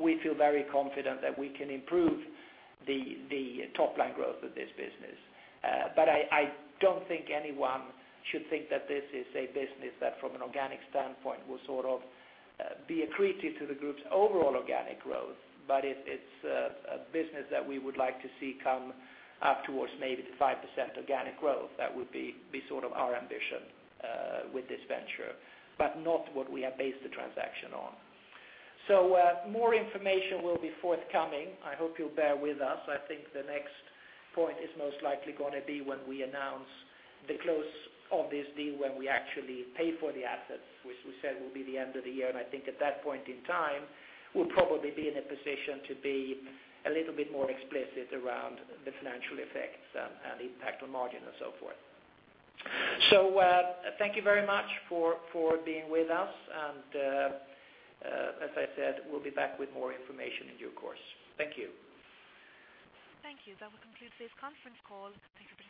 [SPEAKER 2] we feel very confident that we can improve the, the top-line growth of this business. But I, I don't think anyone should think that this is a business that, from an organic standpoint, will sort of, be accretive to the group's overall organic growth. But it's, it's, a business that we would like to see come up towards maybe the 5% organic growth. That would be sort of our ambition with this venture, but not what we have based the transaction on. More information will be forthcoming. I hope you'll bear with us. I think the next point is most likely gonna be when we announce the close of this deal, when we actually pay for the assets, which we said will be the end of the year. I think at that point in time, we'll probably be in a position to be a little bit more explicit around the financial effects and the impact on margin and so forth. So, thank you very much for being with us, and as I said, we'll be back with more information in due course. Thank you.
[SPEAKER 1] Thank you. That will conclude this conference call. Thank you for participating.